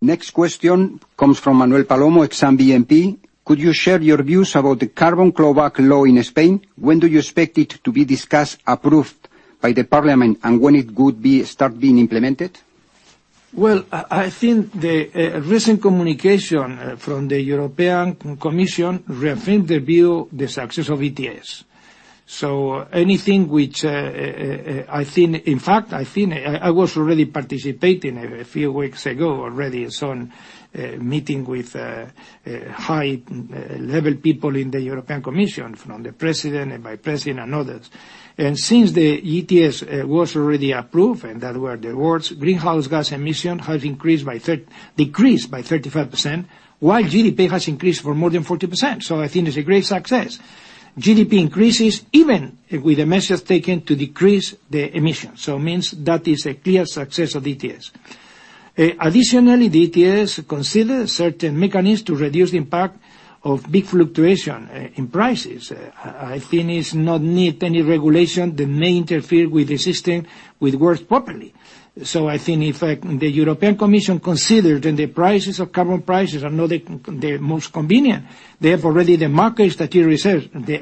[SPEAKER 1] Next question comes from Manuel Palomo, Exane BNP. Could you share your views about the gas clawback law in Spain? When do you expect it to be discussed, approved by the Parliament, and when it could start being implemented?
[SPEAKER 2] Well, I think the recent communication from the European Commission rethink the view, the success of ETS. Anything which, I think. In fact, I think I was already participating a few weeks ago already on meeting with high-level people in the European Commission, from the President and Vice President and others. Since the ETS was already approved, and that were the words, greenhouse gas emission has decreased by 35%, while GDP has increased by more than 40%. I think it's a great success. GDP increases even with the measures taken to decrease the emissions. It means that is a clear success of ETS. Additionally, the ETS consider certain mechanisms to reduce impact of big fluctuation in prices. I think it's not need any regulation that may interfere with the system, with work properly. I think if the European Commission considered and the carbon prices are not the most convenient, they have already the market stability reserve, the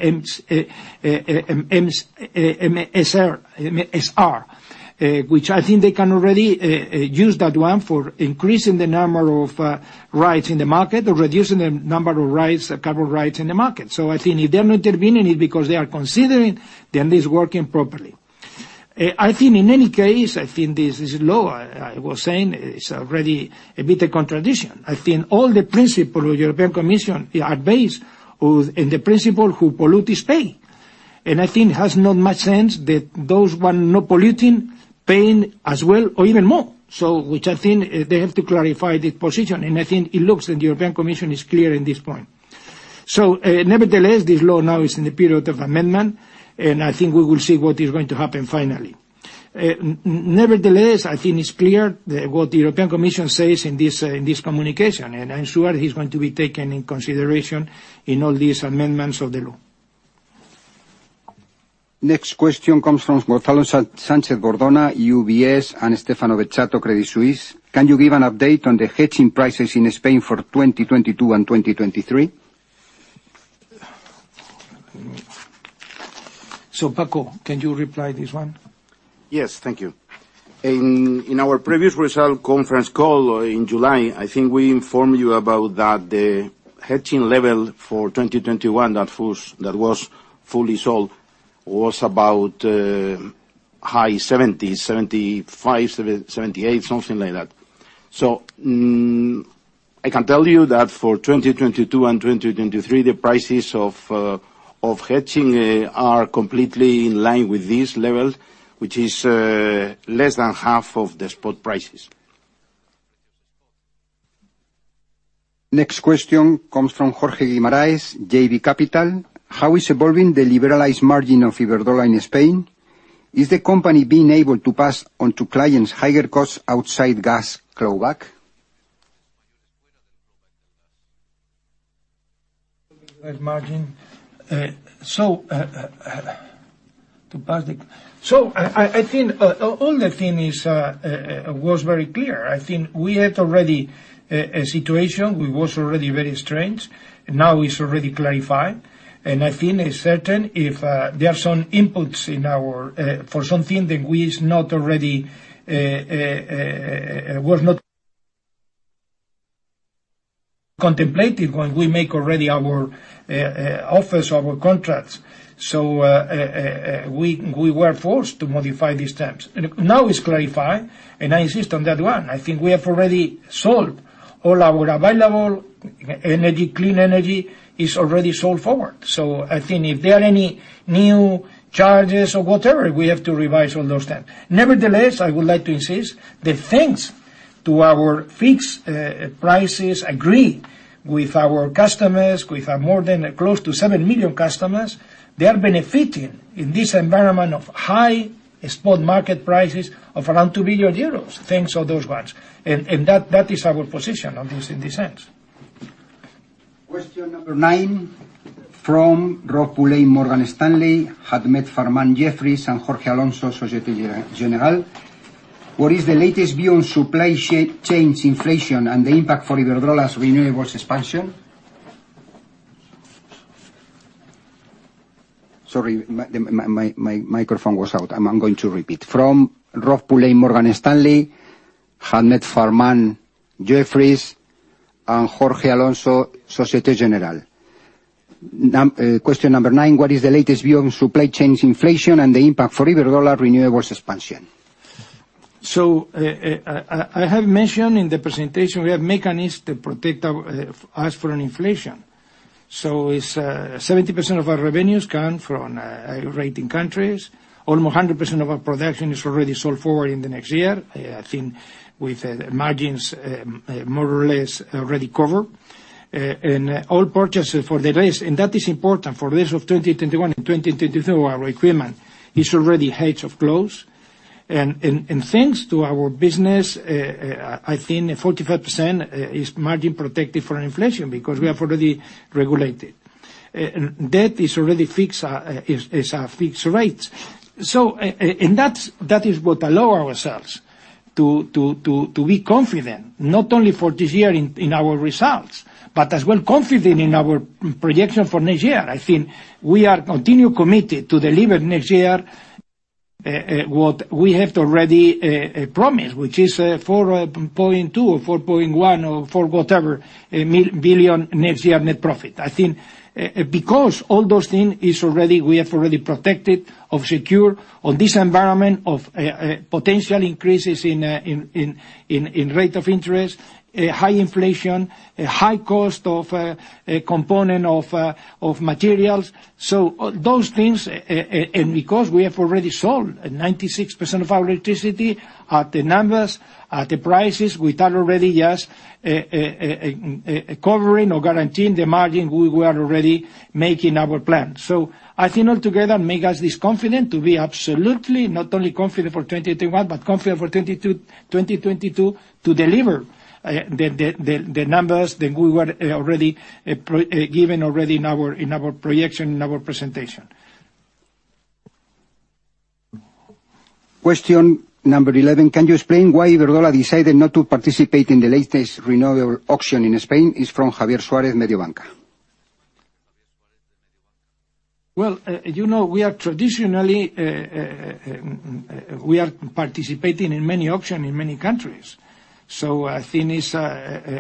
[SPEAKER 2] MSR, which I think they can already use that one for increasing the number of rights in the market or reducing the number of carbon rights in the market. I think if they are not intervening, it's because they are considering, then it's working properly. I think in any case, this law I was saying is already a bit a contradiction. I think all the principles of the European Commission are based on the polluter pays principle. I think it has not much sense that those not polluting pay as well or even more. Which I think they have to clarify the position, and I think it looks like the European Commission is clear in this point. Nevertheless, this law now is in the period of amendment, and I think we will see what is going to happen finally. Nevertheless, I think it's clear what the European Commission says in this communication, and I'm sure it is going to be taken into consideration in all these amendments of the law.
[SPEAKER 1] Next question comes from Gonzalo Sánchez-Bordona, UBS, and Stefano Bezzato, Credit Suisse. Can you give an update on the hedging prices in Spain for 2022 and 2023?
[SPEAKER 2] Paco, can you reply this one?
[SPEAKER 4] Yes. Thank you. In our previous result conference call in July, I think we informed you about the hedging level for 2021 that was fully sold was about high 70s, 75, 78, something like that. I can tell you that for 2022 and 2023, the prices of hedging are completely in line with this level, which is less than half of the spot prices.
[SPEAKER 1] Next question comes from Jorge Guimarães, JB Capital. How is evolving the liberalized margin of Iberdrola in Spain? Is the company being able to pass on to clients higher costs outside gas clawback?
[SPEAKER 2] Margin. I think all the thing is was very clear. I think we had already a situation. We was already very strained. Now it's already clarified. I think it's certain if there are some inputs in our for something that we is not already was not contemplated when we make already our offers, our contracts. We were forced to modify these terms. Now it's clarified, and I insist on that one. I think we have already solved all our available energy. Clean energy is already solved forward. I think if there are any new charges or whatever, we have to revise all those terms. Nevertheless, I would like to insist that thanks to our fixed prices agreed with our customers, with our more than close to 7 million customers, they are benefiting in this environment of high spot market prices of around 2 billion euros. Thanks to those ones. That is our position, at least in this sense.
[SPEAKER 1] Question number nine from Robert Pulleyn, Morgan Stanley; Ahmed Farman, Jefferies; and Jorge Alonso, Société Générale. What is the latest view on supply chain inflation and the impact for Iberdrola's renewables expansion? Sorry, my microphone was out. I'm going to repeat. From Robert Pulleyn, Morgan Stanley; Ahmed Farman, Jefferies; and Jorge Alonso, Société Générale. Question number nine, what is the latest view on supply chain inflation and the impact for Iberdrola's renewables expansion?
[SPEAKER 2] I have mentioned in the presentation, we have mechanisms to protect us from inflation. It's 70% of our revenues come from regulated countries. Almost 100% of our production is already sold forward in the next year. I think with margins more or less already covered. All purchases for the rest, and that is important for the rest of 2021 and 2022, our requirement is already hedged or close. Thanks to our business, I think 45% is margin protected from inflation because we are already regulated. That is already fixed. It is a fixed rate. That is what allow ourselves to be confident not only for this year in our results, but as well confident in our projection for next year. I think we are continue committed to deliver next year what we have already promised, which is 4.2 billion or 4.1 billion or 4 billion next year net profit. I think because all those things is already we have already protected or secure on this environment of potential increases in rate of interest, high inflation, high cost of component of materials. Those things, and because we have already sold 96% of our electricity at the numbers, at the prices, we thought already just covering or guaranteeing the margin we were already making our plan. I think all together make us this confident to be absolutely not only confident for 2021, but confident for 2022 to deliver the numbers that we were already given already in our projection, in our presentation.
[SPEAKER 1] Question number 11. Can you explain why Iberdrola decided not to participate in the latest renewable auction in Spain? It's from Javier Suárez, Mediobanca.
[SPEAKER 2] Well, you know, we are traditionally participating in many auctions in many countries. I think it's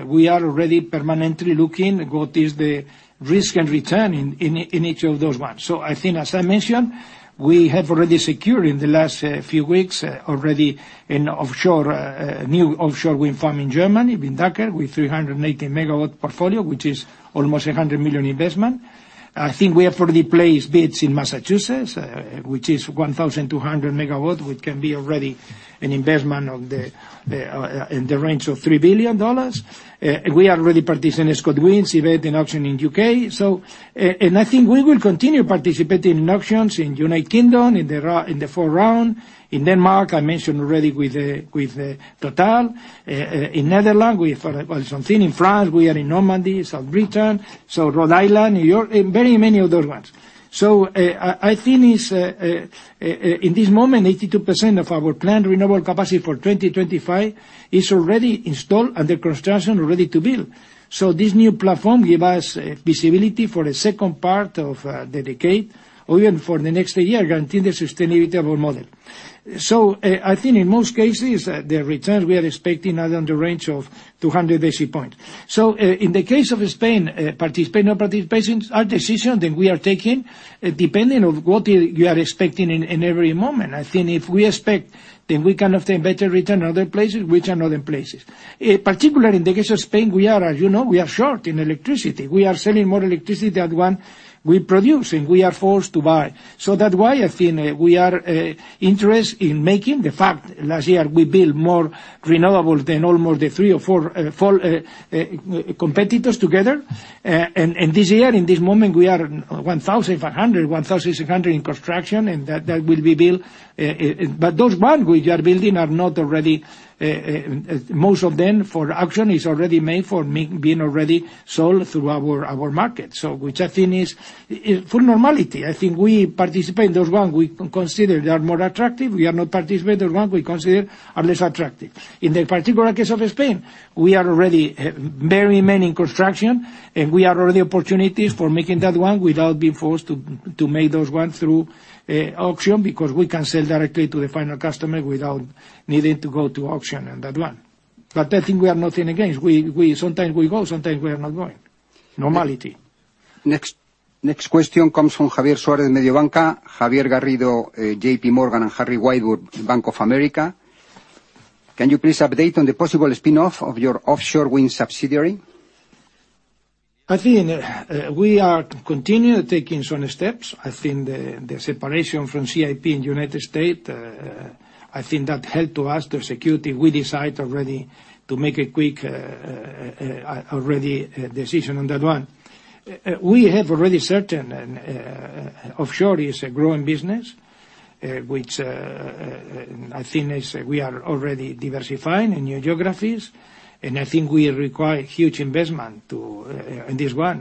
[SPEAKER 2] we are already permanently looking what is the risk and return in each of those ones. I think, as I mentioned, we have already secured in the last few weeks a new offshore wind farm in Germany, Windanker, with 380 MW portfolio, which is almost 100 million investment. I think we have already placed bids in Massachusetts, which is 1,200 MW, which can be already an investment in the range of $3 billion. We already participate in ScotWind auction in U.K. I think we will continue participating in auctions in United Kingdom in the round, in the fourth round. In Denmark, I mentioned already with the TotalEnergies. In Netherlands, we have something. In France, we are in Normandy. South Brittany. Rhode Island, New York, and very many other ones. I think it's in this moment, 82% of our planned renewable capacity for 2025 is already installed under construction, ready to build. This new platform give us visibility for the second part of the decade or even for the next three years, guarantee the sustainability of our model. I think in most cases, the returns we are expecting are in the range of 200 basis points. In the case of Spain, participate, not participating, our decision that we are taking depending on what you are expecting in every moment. I think if we expect that we can obtain better return other places, we return other places. Particularly in the case of Spain, as you know, we are short in electricity. We are selling more electricity than what we produce, and we are forced to buy. That's why I think we are interested in making the fact last year we built more renewable than almost the three or four competitors together. This year, at this moment, we are 1,500-1,600 in construction, and that will be built. But those ones we are building are not already – most of them for auction is already made for being already sold through our market. Which I think is full normality. I think we participate those one we consider they are more attractive. We are not participate the one we consider are less attractive. In the particular case of Spain, we are already very many in construction, and we are already opportunities for making that one without being forced to make those one through auction because we can sell directly to the final customer without needing to go to auction on that one. I think we are nothing against. We sometimes we go, sometimes we are not going. Normality.
[SPEAKER 1] Next question comes from Javier Suárez, Mediobanca, Javier Garrido, JPMorgan, and Harry Wyburd, Bank of America. Can you please update on the possible spin-off of your offshore wind subsidiary?
[SPEAKER 2] I think we are continue taking some steps. I think the separation from CIP in United States, I think that helped to us the security. We decide already to make a quick, already decision on that one. We have already certain, and, offshore is a growing business, which, I think is we are already diversifying in new geographies. I think we require huge investment in this one,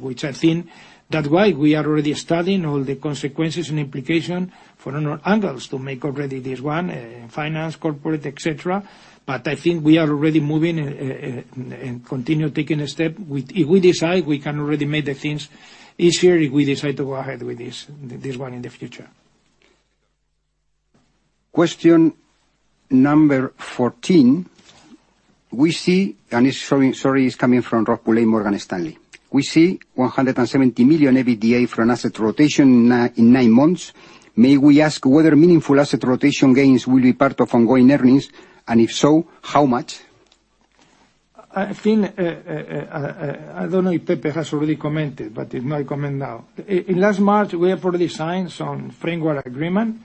[SPEAKER 2] which I think that's why we are already studying all the consequences and implication from another angles to make already this one finance, corporate, et cetera. I think we are already moving and continue taking a step. If we decide, we can already make the things easier if we decide to go ahead with this one in the future.
[SPEAKER 1] Question number fourteen. It's from Robert Pulleyn, Morgan Stanley. We see 170 million EBITDA from asset rotation in nine months. May we ask whether meaningful asset rotation gains will be part of ongoing earnings? If so, how much?
[SPEAKER 2] I think, I don't know if Pepe has already commented, but if not, I comment now. In last March, we have already signed some framework agreement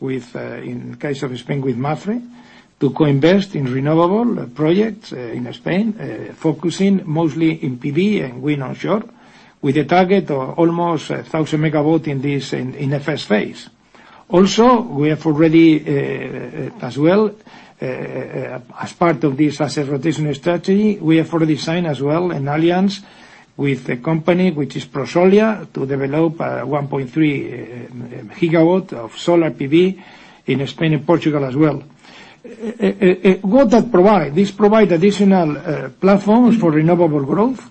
[SPEAKER 2] with, in case of Spain, with Masdar to co-invest in renewable projects in Spain, focusing mostly in PV and wind onshore with a target of almost 1,000 MW in the first phase. Also, we have already, as well, as part of this asset rotation strategy, we have already signed as well an alliance with a company which is Prosolia to develop, 1.3 GW of solar PV in Spain and Portugal as well. What that provide? This provide additional platforms for renewable growth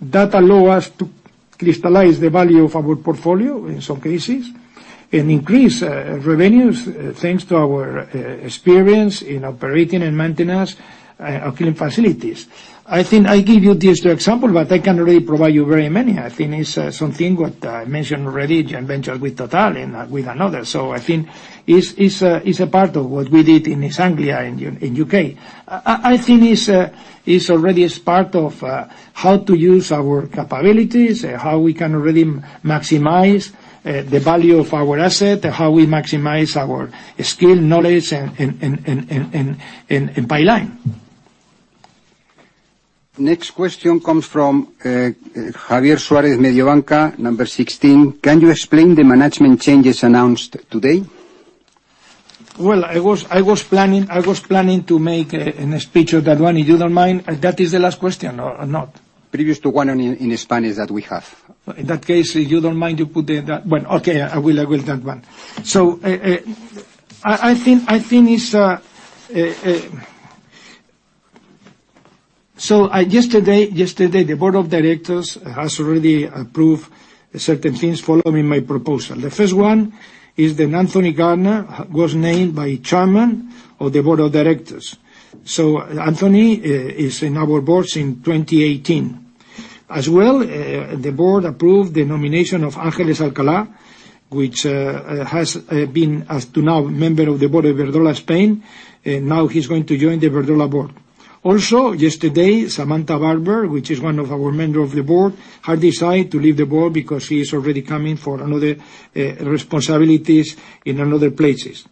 [SPEAKER 2] that allow us to crystallize the value of our portfolio in some cases and increase revenues thanks to our experience in operating and maintenance of green facilities. I think I give you this example, but I can already provide you very many. I think it's something what I mentioned already, joint venture with TotalEnergies and with another. I think is a part of what we did in East Anglia in U.K. I think is already as part of how to use our capabilities, how we can already maximize the value of our asset, how we maximize our skill, knowledge, and pipeline.
[SPEAKER 1] Next question comes from Javier Suárez, Mediobanca, number 16. Can you explain the management changes announced today?
[SPEAKER 2] Well, I was planning to make a speech of that one, if you don't mind. That is the last question or not?
[SPEAKER 1] Previous to one in Spanish that we have.
[SPEAKER 2] In that case, if you don't mind, I'll take that one. Yesterday the board of directors has already approved certain things following my proposal. The first one is that Anthony Gardner was named as Chairman of the board of directors. Anthony is in our board in 2018. The board approved the nomination of Ángeles Alcalá, which has been up to now member of the board of Iberdrola Spain, and now she's going to join the Iberdrola board. Yesterday, Samantha Barber, who is one of our members of the board, had decided to leave the board because she is already taking on other responsibilities in other places.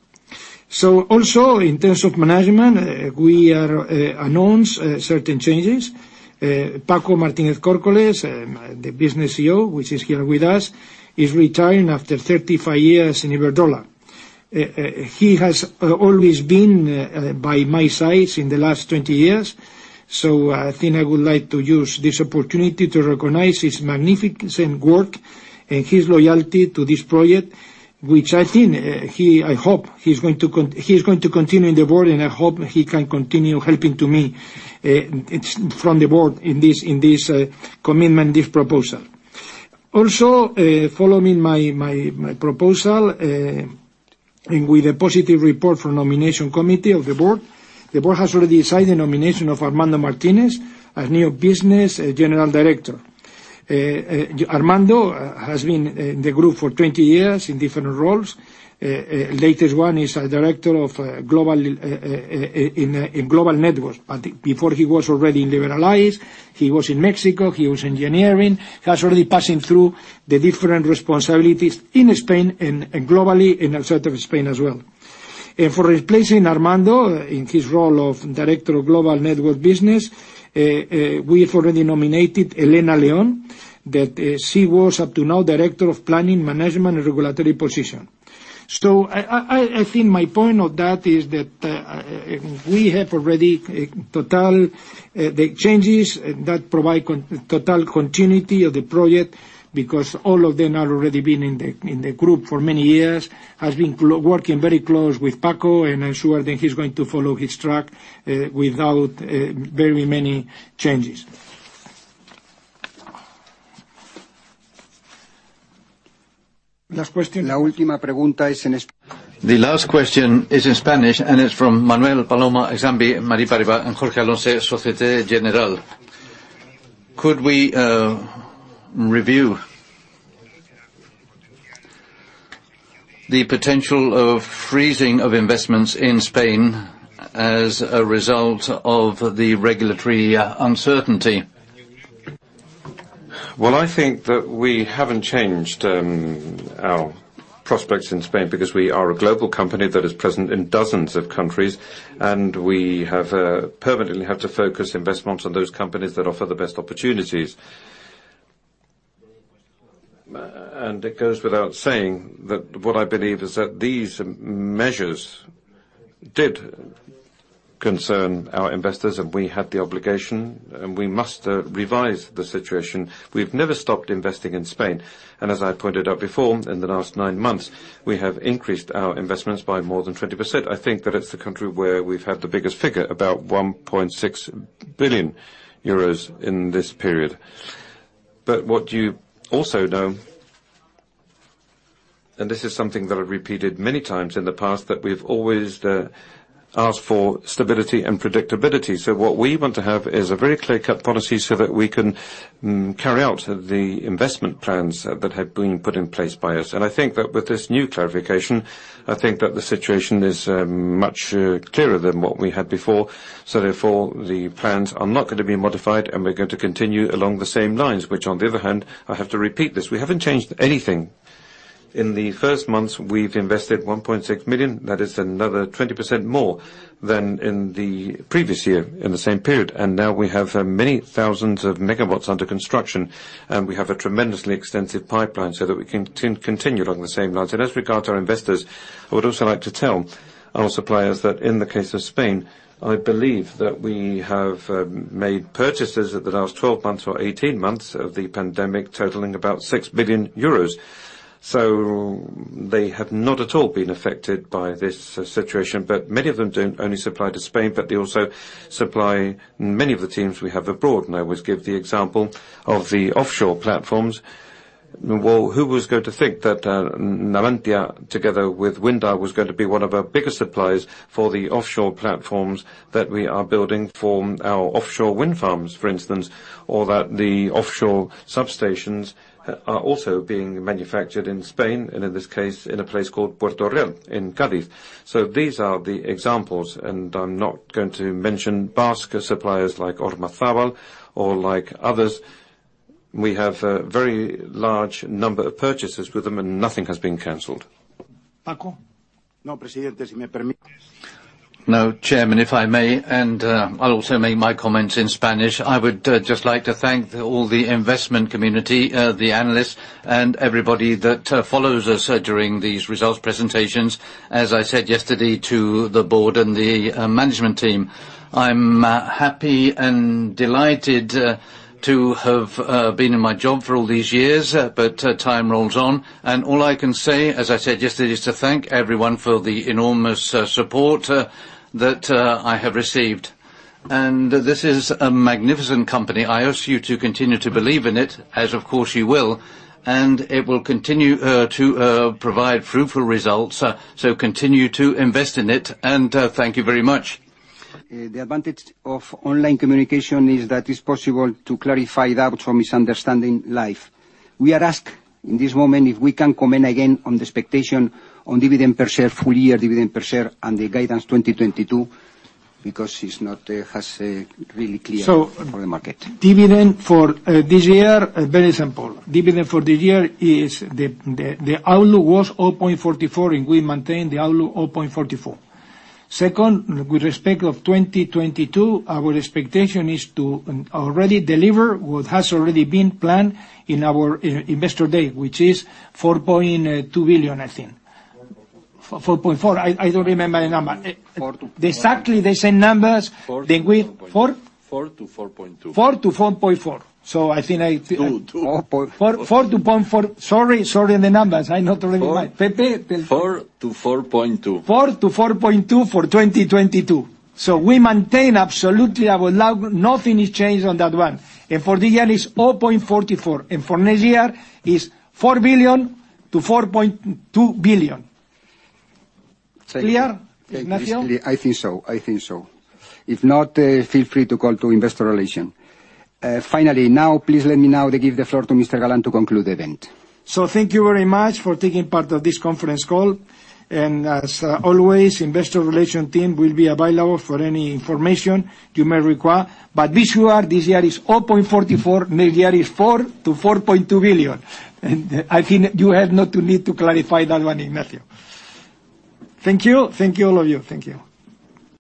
[SPEAKER 2] Also, in terms of management, we are announcing certain changes. Paco Martínez Córcoles, the Business CEO, which is here with us, is retiring after 35 years in Iberdrola. He has always been by my side in the last 20 years. I think I would like to use this opportunity to recognize his magnificent work and his loyalty to this project, which I think I hope he's going to continue in the board, and I hope he can continue helping me from the board in this commitment, this proposal. Also, following my proposal, and with a positive report from nomination committee of the board, the board has already decided the nomination of Armando Martínez as new Business General Director. Armando has been in the group for 20 years in different roles. Latest one is a Director of global in global networks. Before he was already in liberalized, he was in Mexico, he was engineering. He has already passing through the different responsibilities in Spain and globally in outside of Spain as well. For replacing Armando in his role of Director of the Networks Business, we have already nominated Elena León, that she was up to now Director of Planning, Management and Regulatory Position. I think my point of that is that we have already the changes that provide total continuity of the project because all of them have already been in the group for many years, have been closely working very close with Paco, and I'm sure that he's going to follow his track without very many changes.
[SPEAKER 1] Last question. The last question is in Spanish, and it's from Manuel Palomo, Exane BNP Paribas, and Jorge Alonso, Société Générale. Could we review the potential of freezing of investments in Spain as a result of the regulatory uncertainty?
[SPEAKER 2] Well, I think that we haven't changed our prospects in Spain because we are a global company that is present in dozens of countries, and we have to focus investments on those companies that offer the best opportunities. It goes without saying that what I believe is that these measures did concern our investors, and we had the obligation, and we must revise the situation. We've never stopped investing in Spain. As I pointed out before, in the last nine months, we have increased our investments by more than 20%. I think that it's the country where we've had the biggest figure, about 1.6 billion euros in this period. What you also know, and this is something that I've repeated many times in the past, that we've always asked for stability and predictability. What we want to have is a very clear-cut policy so that we can carry out the investment plans that have been put in place by us. I think that with this new clarification, I think that the situation is much clearer than what we had before. Therefore, the plans are not gonna be modified, and we're going to continue along the same lines, which on the other hand, I have to repeat this, we haven't changed anything. In the first months, we've invested 1.6 million. That is another 20% more than in the previous year in the same period. Now we have many thousands of megawatts under construction, and we have a tremendously extensive pipeline so that we can continue along the same lines. As regards our investors, I would also like to tell our suppliers that in the case of Spain, I believe that we have made purchases in the last 12 months or 18 months of the pandemic totaling about 6 billion euros. They have not at all been affected by this situation, but many of them don't only supply to Spain, but they also supply many of the items we have abroad. I always give the example of the offshore platforms. Well, who was going to think that Navantia, together with Windar, was going to be one of our biggest suppliers for the offshore platforms that we are building for our offshore wind farms, for instance, or that the offshore substations are also being manufactured in Spain, and in this case, in a place called Puerto Real in Cádiz. These are the examples, and I'm not going to mention Basque suppliers like Ormazabal or like others. We have a very large number of purchases with them, and nothing has been canceled. Paco?
[SPEAKER 4] No, Chairman, if I may, and I'll also make my comments in Spanish. I would just like to thank all the investment community, the analysts and everybody that follows us during these results presentations. As I said yesterday to the board and the management team, I'm happy and delighted to have been in my job for all these years, but time rolls on. All I can say, as I said yesterday, is to thank everyone for the enormous support that I have received. This is a magnificent company. I ask you to continue to believe in it, as of course you will, and it will continue to provide fruitful results. Continue to invest in it, and thank you very much.
[SPEAKER 1] The advantage of online communication is that it's possible to clarify doubts or misunderstanding live. We are asked in this moment if we can comment again on the expectation on dividend per share, full year dividend per share and the guidance 2022, because it's not as really clear for the market.
[SPEAKER 2] Dividend for this year, very simple. Dividend for this year is the outlook was 0.44, and we maintain the outlook 0.44. Second, with respect to 2022, our expectation is to already deliver what has already been planned in our Investor Day, which is 4.2 billion, I think.
[SPEAKER 3] 4.4.
[SPEAKER 2] 4.4. I don't remember the number.
[SPEAKER 3] 42.
[SPEAKER 2] Exactly the same numbers that we
[SPEAKER 3] 4-4.2.
[SPEAKER 2] Four?
[SPEAKER 3] 4-4.2.
[SPEAKER 2] 4-4.4. I think
[SPEAKER 3] Two.
[SPEAKER 2] Four.
[SPEAKER 3] Four.
[SPEAKER 2] 4 to 0.4. Sorry, the numbers. I'm not really Pepe?
[SPEAKER 3] 4-4.2.
[SPEAKER 2] 4 billion-4.2 billion for 2022. We maintain absolutely nothing has changed on that one. For this year is 0.44. For next year is 4 billion-4.2 billion. Clear, Matthew?
[SPEAKER 1] I think so. If not, feel free to call Investor Relations. Finally, please let me now give the floor to Mr. Galán to conclude the event.
[SPEAKER 2] Thank you very much for taking part of this conference call. As always, investor relation team will be available for any information you may require. Be sure this year is 0.44. Next year is 4 billion-4.2 billion. I think you have not to need to clarify that one, Matthew. Thank you. Thank you, all of you. Thank you.